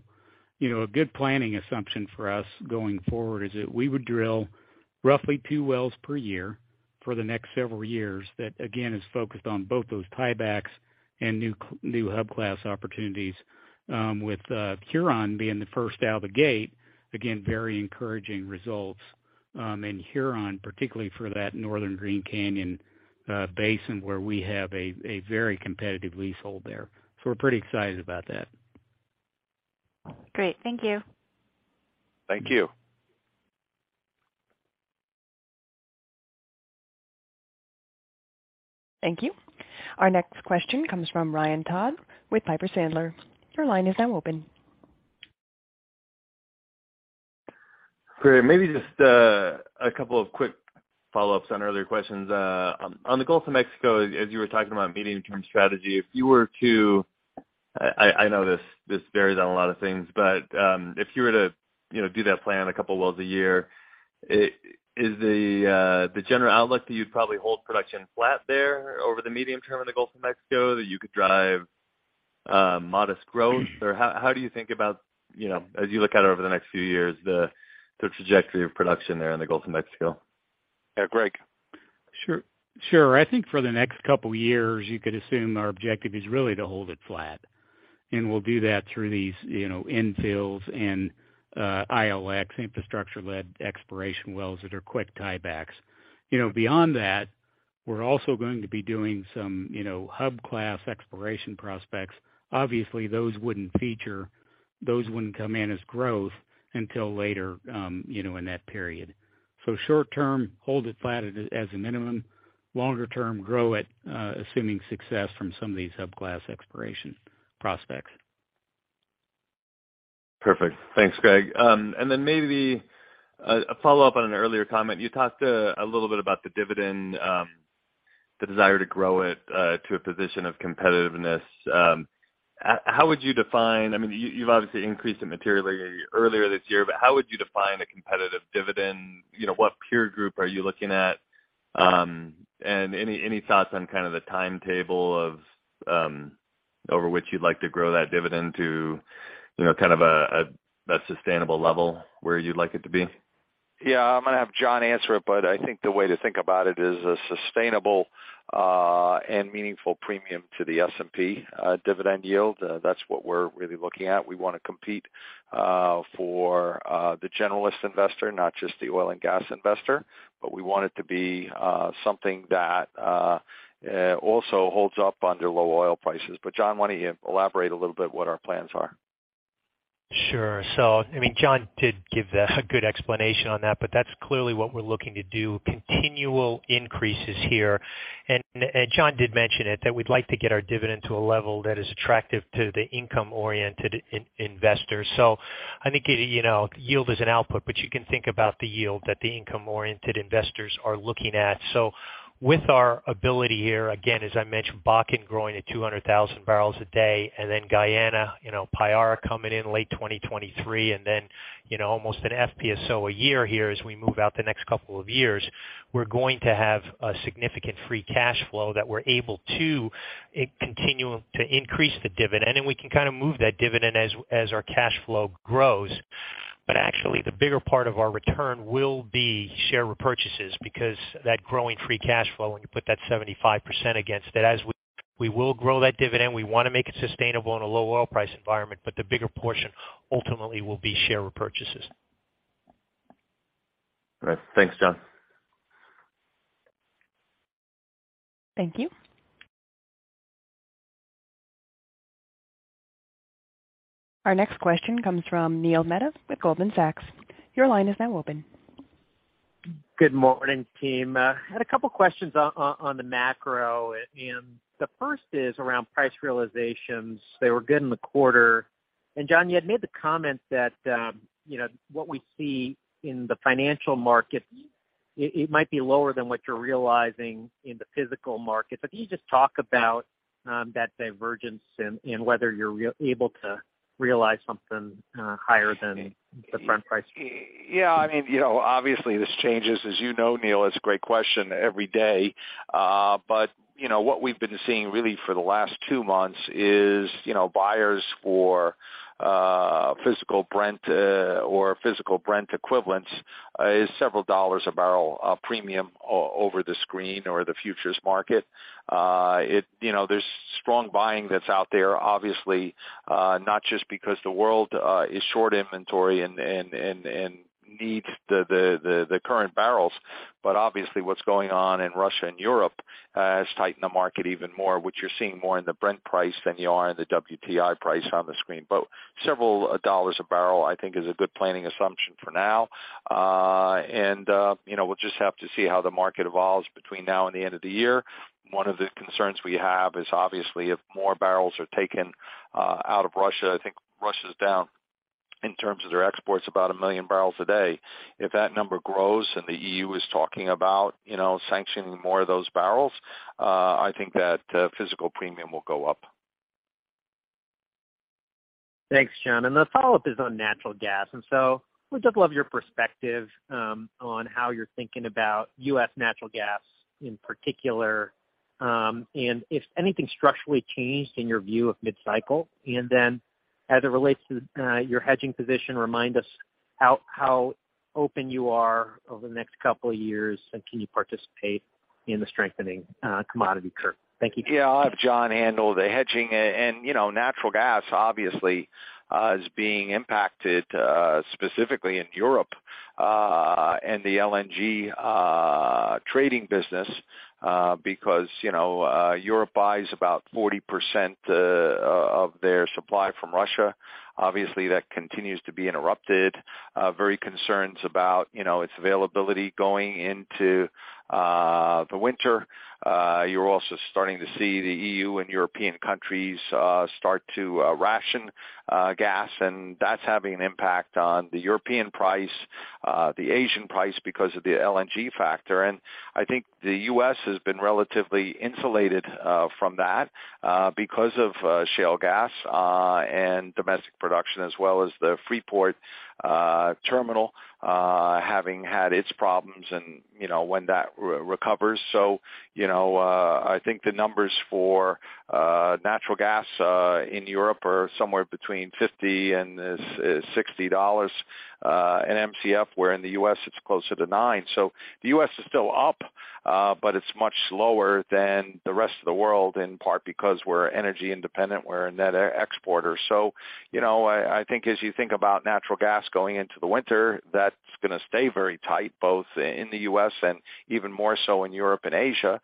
you know, a good planning assumption for us going forward is that we would drill roughly 2 wells per year for the next several years. That, again, is focused on both those tiebacks and new hub class opportunities, with Huron being the first out of the gate, again, very encouraging results in Huron, particularly for that Northern Green Canyon basin, where we have a very competitive leasehold there. We're pretty excited about that. Great. Thank you. Thank you. Thank you. Our next question comes from Ryan Todd with Piper Sandler. Your line is now open. Great. Maybe just a couple of quick follow-ups on earlier questions. On the Gulf of Mexico, as you were talking about medium-term strategy, I know this varies on a lot of things, but if you were to, you know, do that plan a couple of wells a year, is the general outlook that you'd probably hold production flat there over the medium term in the Gulf of Mexico, that you could drive modest growth? Or how do you think about, you know, as you look out over the next few years, the trajectory of production there in the Gulf of Mexico? Yeah. Greg? Sure. Sure. I think for the next couple years, you could assume our objective is really to hold it flat, and we'll do that through these, you know, infills and ILX, infrastructure-led exploration wells that are quick tiebacks. You know, beyond that, we're also going to be doing some, you know, hub class exploration prospects. Obviously, those wouldn't come in as growth until later, you know, in that period. Short term, hold it flat as a minimum. Longer term, grow it, assuming success from some of these hub class exploration prospects. Perfect. Thanks, Greg. Maybe a follow-up on an earlier comment. You talked a little bit about the dividend, the desire to grow it, to a position of competitiveness. How would you define? I mean, you've obviously increased it materially earlier this year, but how would you define a competitive dividend? You know, what peer group are you looking at? Any thoughts on kind of the timetable of over which you'd like to grow that dividend to, you know, kind of a sustainable level where you'd like it to be? Yeah. I'm gonna have John answer it, but I think the way to think about it is a sustainable and meaningful premium to the S&P dividend yield. That's what we're really looking at. We wanna compete for the generalist investor, not just the oil and gas investor, but we want it to be something that also holds up under low oil prices. John, why don't you elaborate a little bit what our plans are? Sure. I mean, John did give a good explanation on that, but that's clearly what we're looking to do, continual increases here. John did mention it, that we'd like to get our dividend to a level that is attractive to the income-oriented investor. I think, you know, yield is an output, but you can think about the yield that the income-oriented investors are looking at. With our ability here, again, as I mentioned, Bakken growing at 200,000 barrels a day, and then Guyana, you know, Payara coming in late 2023, and then, you know, almost an FPSO a year here as we move into the next couple of years, we're going to have a significant free cash flow that we're able to continue to increase the dividend, and we can kind of move that dividend as our cash flow grows. Actually the bigger part of our return will be share repurchases because that growing free cash flow, when you put that 75% against it as we will grow that dividend. We want to make it sustainable in a low oil price environment, but the bigger portion ultimately will be share repurchases. All right. Thanks, John. Thank you. Our next question comes from Neil Mehta with Goldman Sachs. Your line is now open. Good morning, team. Had a couple questions on the macro, and the first is around price realizations. They were good in the quarter. John, you had made the comment that, you know, what we see in the financial market, it might be lower than what you're realizing in the physical market. But can you just talk about that divergence and whether you're able to realize something higher than the front price? Yeah. I mean, you know, obviously this changes, as you know, Neil, it's a great question every day. But you know, what we've been seeing really for the last two months is, you know, buyers for physical Brent or physical Brent equivalents is several dollars a barrel premium over the screen or the futures market. You know, there's strong buying that's out there, obviously, not just because the world is short inventory and needs the current barrels, but obviously what's going on in Russia and Europe has tightened the market even more, which you're seeing more in the Brent price than you are in the WTI price on the screen. Several dollars a barrel, I think is a good planning assumption for now. You know, we'll just have to see how the market evolves between now and the end of the year. One of the concerns we have is obviously if more barrels are taken out of Russia. I think Russia's down in terms of their exports about 1 million barrels a day. If that number grows and the EU is talking about, you know, sanctioning more of those barrels, I think that physical premium will go up. Thanks, John. The follow-up is on natural gas. Would just love your perspective on how you're thinking about U.S. natural gas in particular, and if anything structurally changed in your view of mid-cycle. As it relates to your hedging position, remind us how open you are over the next couple of years, and can you participate in the strengthening commodity curve? Thank you. Yeah. I'll have John handle the hedging. And, you know, natural gas obviously is being impacted specifically in Europe and the LNG trading business because, you know, Europe buys about 40% of their supply from Russia. Obviously, that continues to be interrupted. Very concerns about, you know, its availability going into the winter. You're also starting to see the EU and European countries start to ration gas, and that's having an impact on the European price, the Asian price because of the LNG factor. I think the US has been relatively insulated from that because of shale gas and domestic production as well as the Freeport terminal having had its problems and, you know, when that recovers. You know, I think the numbers for natural gas in Europe are somewhere between $50-$60 in MCF, where in the US it's closer to $9. The US is still up, but it's much slower than the rest of the world, in part because we're energy independent, we're a net exporter. You know, I think as you think about natural gas going into the winter, that's gonna stay very tight, both in the US and even more so in Europe and Asia.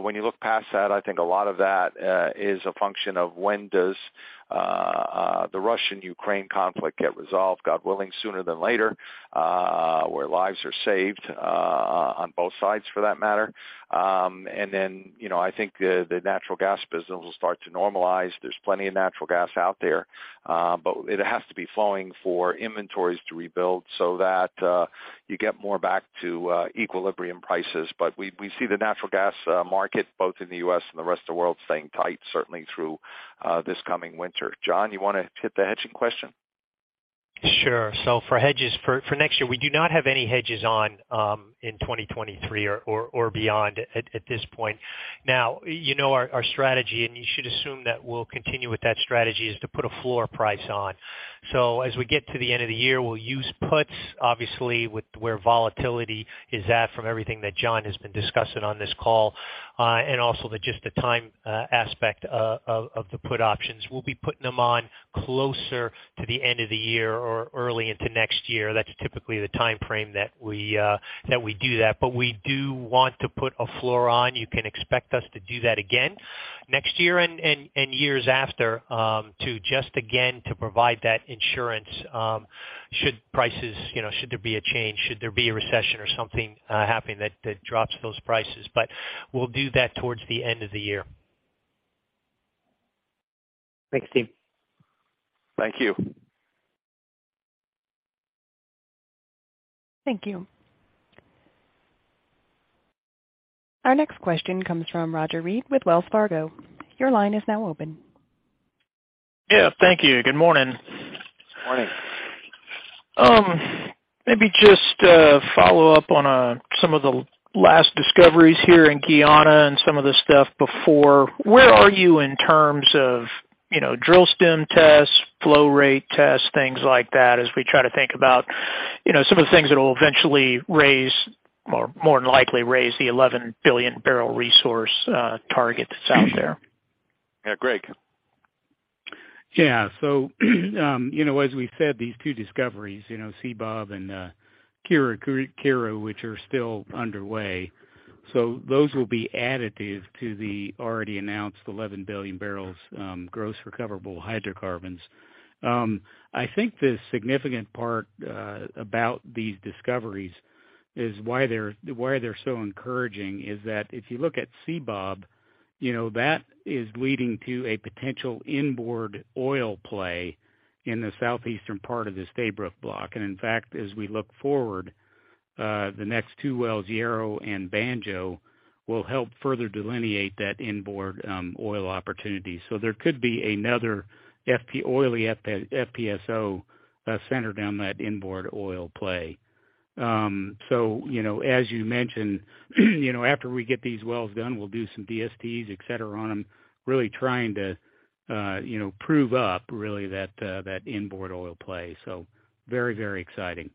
When you look past that, I think a lot of that is a function of when does the Russia-Ukraine conflict get resolved, God willing, sooner than later, where lives are saved on both sides for that matter. you know, I think the natural gas business will start to normalize. There's plenty of natural gas out there. It has to be flowing for inventories to rebuild so that you get more back to equilibrium prices. We see the natural gas market both in the U.S. and the rest of the world staying tight, certainly through this coming winter. John, you wanna hit the hedging question? Sure. For hedges for next year, we do not have any hedges on in 2023 or beyond at this point. Now, you know our strategy, and you should assume that we'll continue with that strategy, is to put a floor price on. As we get to the end of the year, we'll use puts obviously with where volatility is at from everything that John has been discussing on this call, and also just the time of the put options. We'll be putting them on closer to the end of the year or early into next year. That's typically the timeframe that we do that. We do want to put a floor on. You can expect us to do that again next year and years after to just again to provide that insurance should prices, you know, should there be a change, should there be a recession or something happen that drops those prices. We'll do that towards the end of the year. Thanks, team. Thank you. Thank you. Our next question comes from Roger Read with Wells Fargo. Your line is now open. Yeah. Thank you. Good morning. Morning. Maybe just a follow-up on some of the last discoveries here in Guyana and some of the stuff before. Where are you in terms of, you know, drill stem tests, flow rate tests, things like that, as we try to think about, you know, some of the things that will eventually raise or more than likely raise the 11 billion barrel resource target that's out there? Yeah, Greg. Yeah, you know, as we said, these two discoveries, you know, Seabob and Kiru-Kiru, which are still underway. Those will be additive to the already announced 11 billion barrels gross recoverable hydrocarbons. I think the significant part about these discoveries is why they're so encouraging, is that if you look at Seabob, you know, that is leading to a potential inboard oil play in the southeastern part of this Stabroek Block. In fact, as we look forward, the next two wells, Yarrow and Banjo, will help further delineate that inboard oil opportunity. There could be another FPSO centered on that inboard oil play. You know, as you mentioned, you know, after we get these wells done, we'll do some DSTs, et cetera, on them, really trying to, you know, prove up really that inboard oil play. Very, very exciting.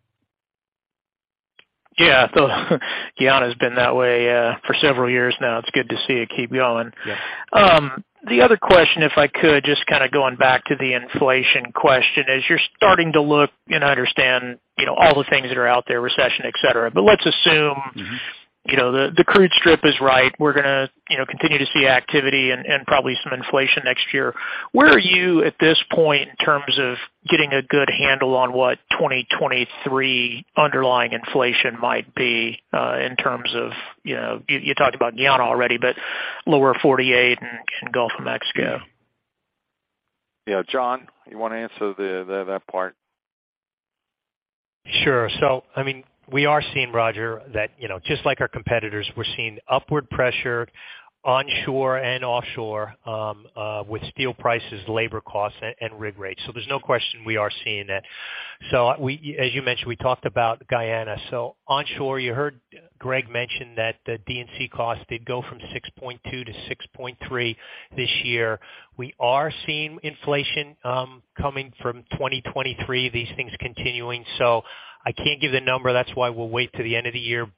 Yeah. Guyana's been that way, for several years now. It's good to see it keep going. Yeah. The other question, if I could, just kind of going back to the inflation question. As you're starting to look and understand, you know, all the things that are out there, recession, et cetera. Let's assume- Mm-hmm. You know, the crude strip is right. We're gonna, you know, continue to see activity and probably some inflation next year. Where are you at this point in terms of getting a good handle on what 2023 underlying inflation might be, in terms of, you know, you talked about Guyana already, but Lower 48 and Gulf of Mexico? Yeah, John, you wanna answer the that part? Sure. I mean, we are seeing, Roger, that, you know, just like our competitors, we're seeing upward pressure onshore and offshore, with steel prices, labor costs, and rig rates. There's no question we are seeing that. We, as you mentioned, we talked about Guyana. Onshore, you heard Greg mention that the D&C costs did go from $6.2-$6.3 this year. We are seeing inflation, coming from 2023, these things continuing. I can't give the number. That's why we'll wait till the end of the year.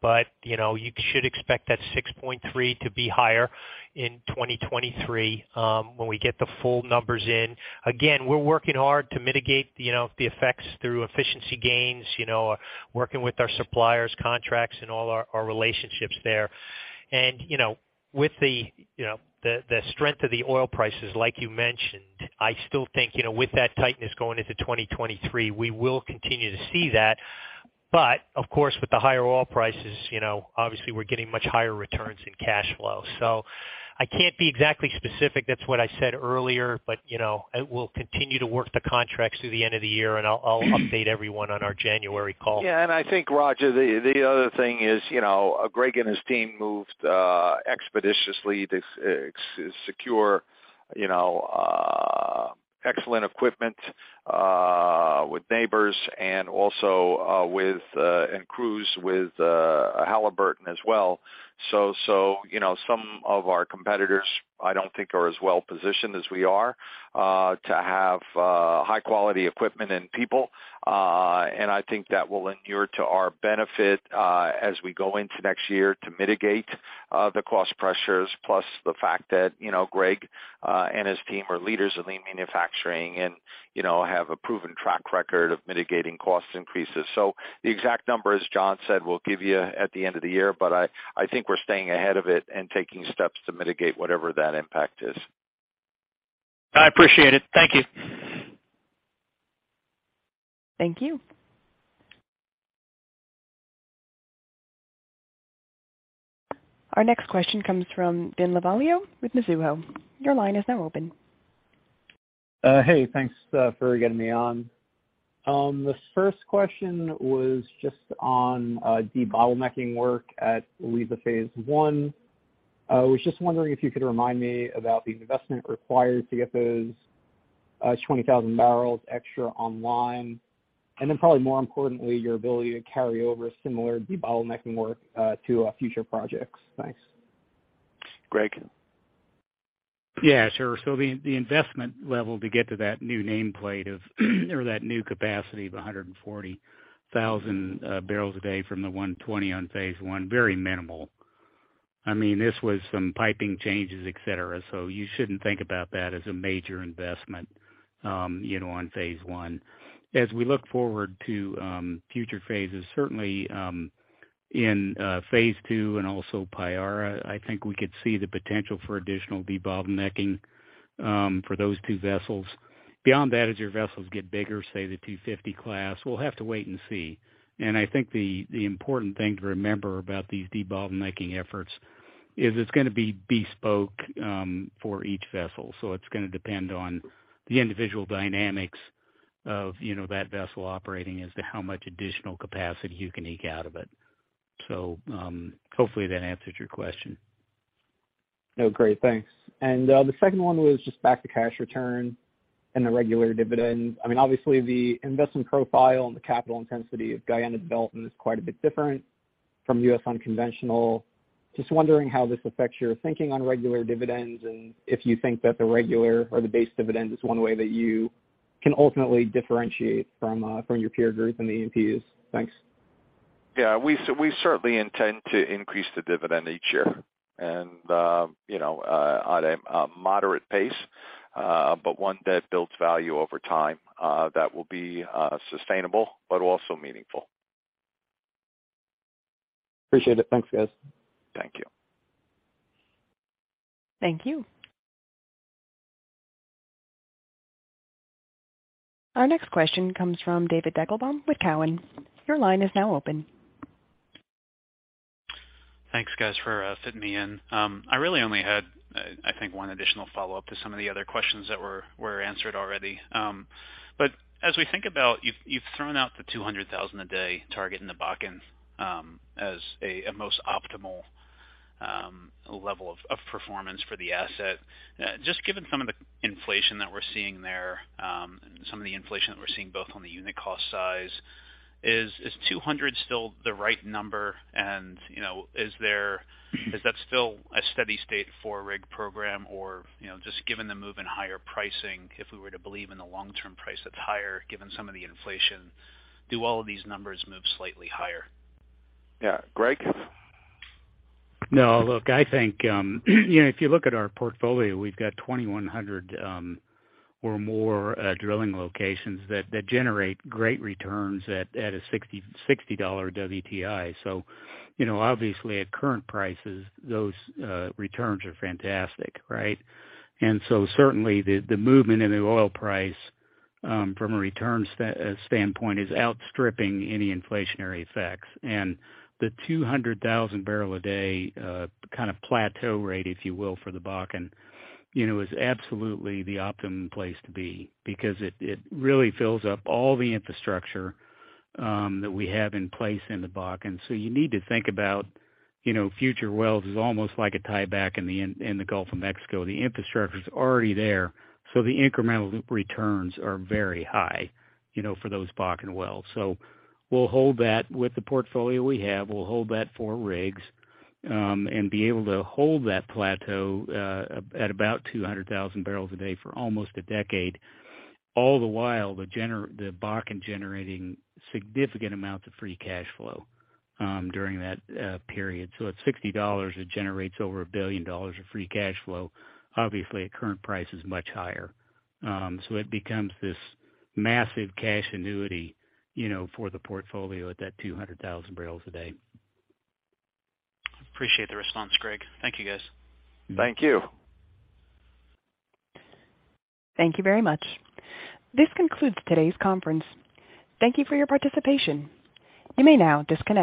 You know, you should expect that $6.3 to be higher in 2023, when we get the full numbers in. Again, we're working hard to mitigate, you know, the effects through efficiency gains, you know, working with our suppliers, contracts and all our relationships there. You know, with the strength of the oil prices, like you mentioned, I still think, you know, with that tightness going into 2023, we will continue to see that. Of course, with the higher oil prices, you know, obviously we're getting much higher returns in cash flow. I can't be exactly specific. That's what I said earlier. You know, we'll continue to work the contracts through the end of the year, and I'll update everyone on our January call. Yeah. I think, Roger, the other thing is, you know, Greg and his team moved expeditiously to secure, you know, excellent equipment with Nabors and also with crews with Halliburton as well. You know, some of our competitors, I don't think are as well positioned as we are to have high quality equipment and people. I think that will endure to our benefit as we go into next year to mitigate the cost pressures, plus the fact that, you know, Greg and his team are leaders of lean manufacturing and, you know, have a proven track record of mitigating cost increases. The exact number, as John said, we'll give you at the end of the year, but I think we're staying ahead of it and taking steps to mitigate whatever that impact is. I appreciate it. Thank you. Thank you. Our next question comes from Vin Lovaglio with Mizuho. Your line is now open. Hey, thanks for getting me on. This first question was just on debottlenecking work at Liza Phase I. I was just wondering if you could remind me about the investment required to get those 20,000 barrels extra online, and then probably more importantly, your ability to carry over similar debottlenecking work to future projects. Thanks. Greg. Yeah, sure. The investment level to get to that new nameplate or that new capacity of 140,000 barrels a day from the 120 on phase I. Very minimal. I mean, this was some piping changes, et cetera. You shouldn't think about that as a major investment, you know, on phase I. As we look forward to future phases, certainly in phase II and also Payara, I think we could see the potential for additional debottlenecking for those two vessels. Beyond that, as your vessels get bigger, say, the 250 class, we'll have to wait and see. I think the important thing to remember about these debottlenecking efforts is it's gonna be bespoke for each vessel. It's gonna depend on the individual dynamics of, you know, that vessel operating as to how much additional capacity you can eke out of it. Hopefully, that answers your question. No, great, thanks. The second one was just back to cash return and the regular dividend. I mean, obviously, the investment profile and the capital intensity of Guyana development is quite a bit different from U.S. unconventional. Just wondering how this affects your thinking on regular dividends and if you think that the regular or the base dividend is one way that you can ultimately differentiate from your peer group in the E&Ps. Thanks. Yeah. We certainly intend to increase the dividend each year and, you know, at a moderate pace, but one that builds value over time, that will be sustainable but also meaningful. Appreciate it. Thanks, guys. Thank you. Thank you. Our next question comes from David Deckelbaum with Cowen. Your line is now open. Thanks, guys, for fitting me in. I really only had, I think one additional follow-up to some of the other questions that were answered already. As we think about you've thrown out the 200,000 a day target in the Bakken, as a most optimal level of performance for the asset. Just given some of the inflation that we're seeing there, and some of the inflation that we're seeing both on the unit cost size, is 200 still the right number? You know, is that still a steady state for rig program or, you know, just given the move in higher pricing, if we were to believe in the long-term price that's higher given some of the inflation, do all of these numbers move slightly higher? Yeah. Greg? No, look, I think, you know, if you look at our portfolio, we've got 2,100 or more drilling locations that generate great returns at a $60 WTI. You know, obviously, at current prices, those returns are fantastic, right? Certainly the movement in the oil price from a return standpoint is outstripping any inflationary effects. The 200,000-barrel-a-day kind of plateau rate, if you will, for the Bakken, you know, is absolutely the optimum place to be because it really fills up all the infrastructure that we have in place in the Bakken. You need to think about, you know, future wells is almost like a tieback in the Gulf of Mexico. The infrastructure's already there, so the incremental returns are very high, you know, for those Bakken wells. We'll hold that with the portfolio we have. We'll hold that four rigs, and be able to hold that plateau, at about 200,000 barrels a day for almost a decade. All the while, the Bakken generating significant amounts of free cash flow, during that, period. At $60, it generates over $1 billion of free cash flow. Obviously, at current price is much higher. It becomes this massive cash annuity, you know, for the portfolio at that 200,000 barrels a day. Appreciate the response, Greg. Thank you, guys. Thank you. Thank you very much. This concludes today's conference. Thank you for your participation. You may now disconnect.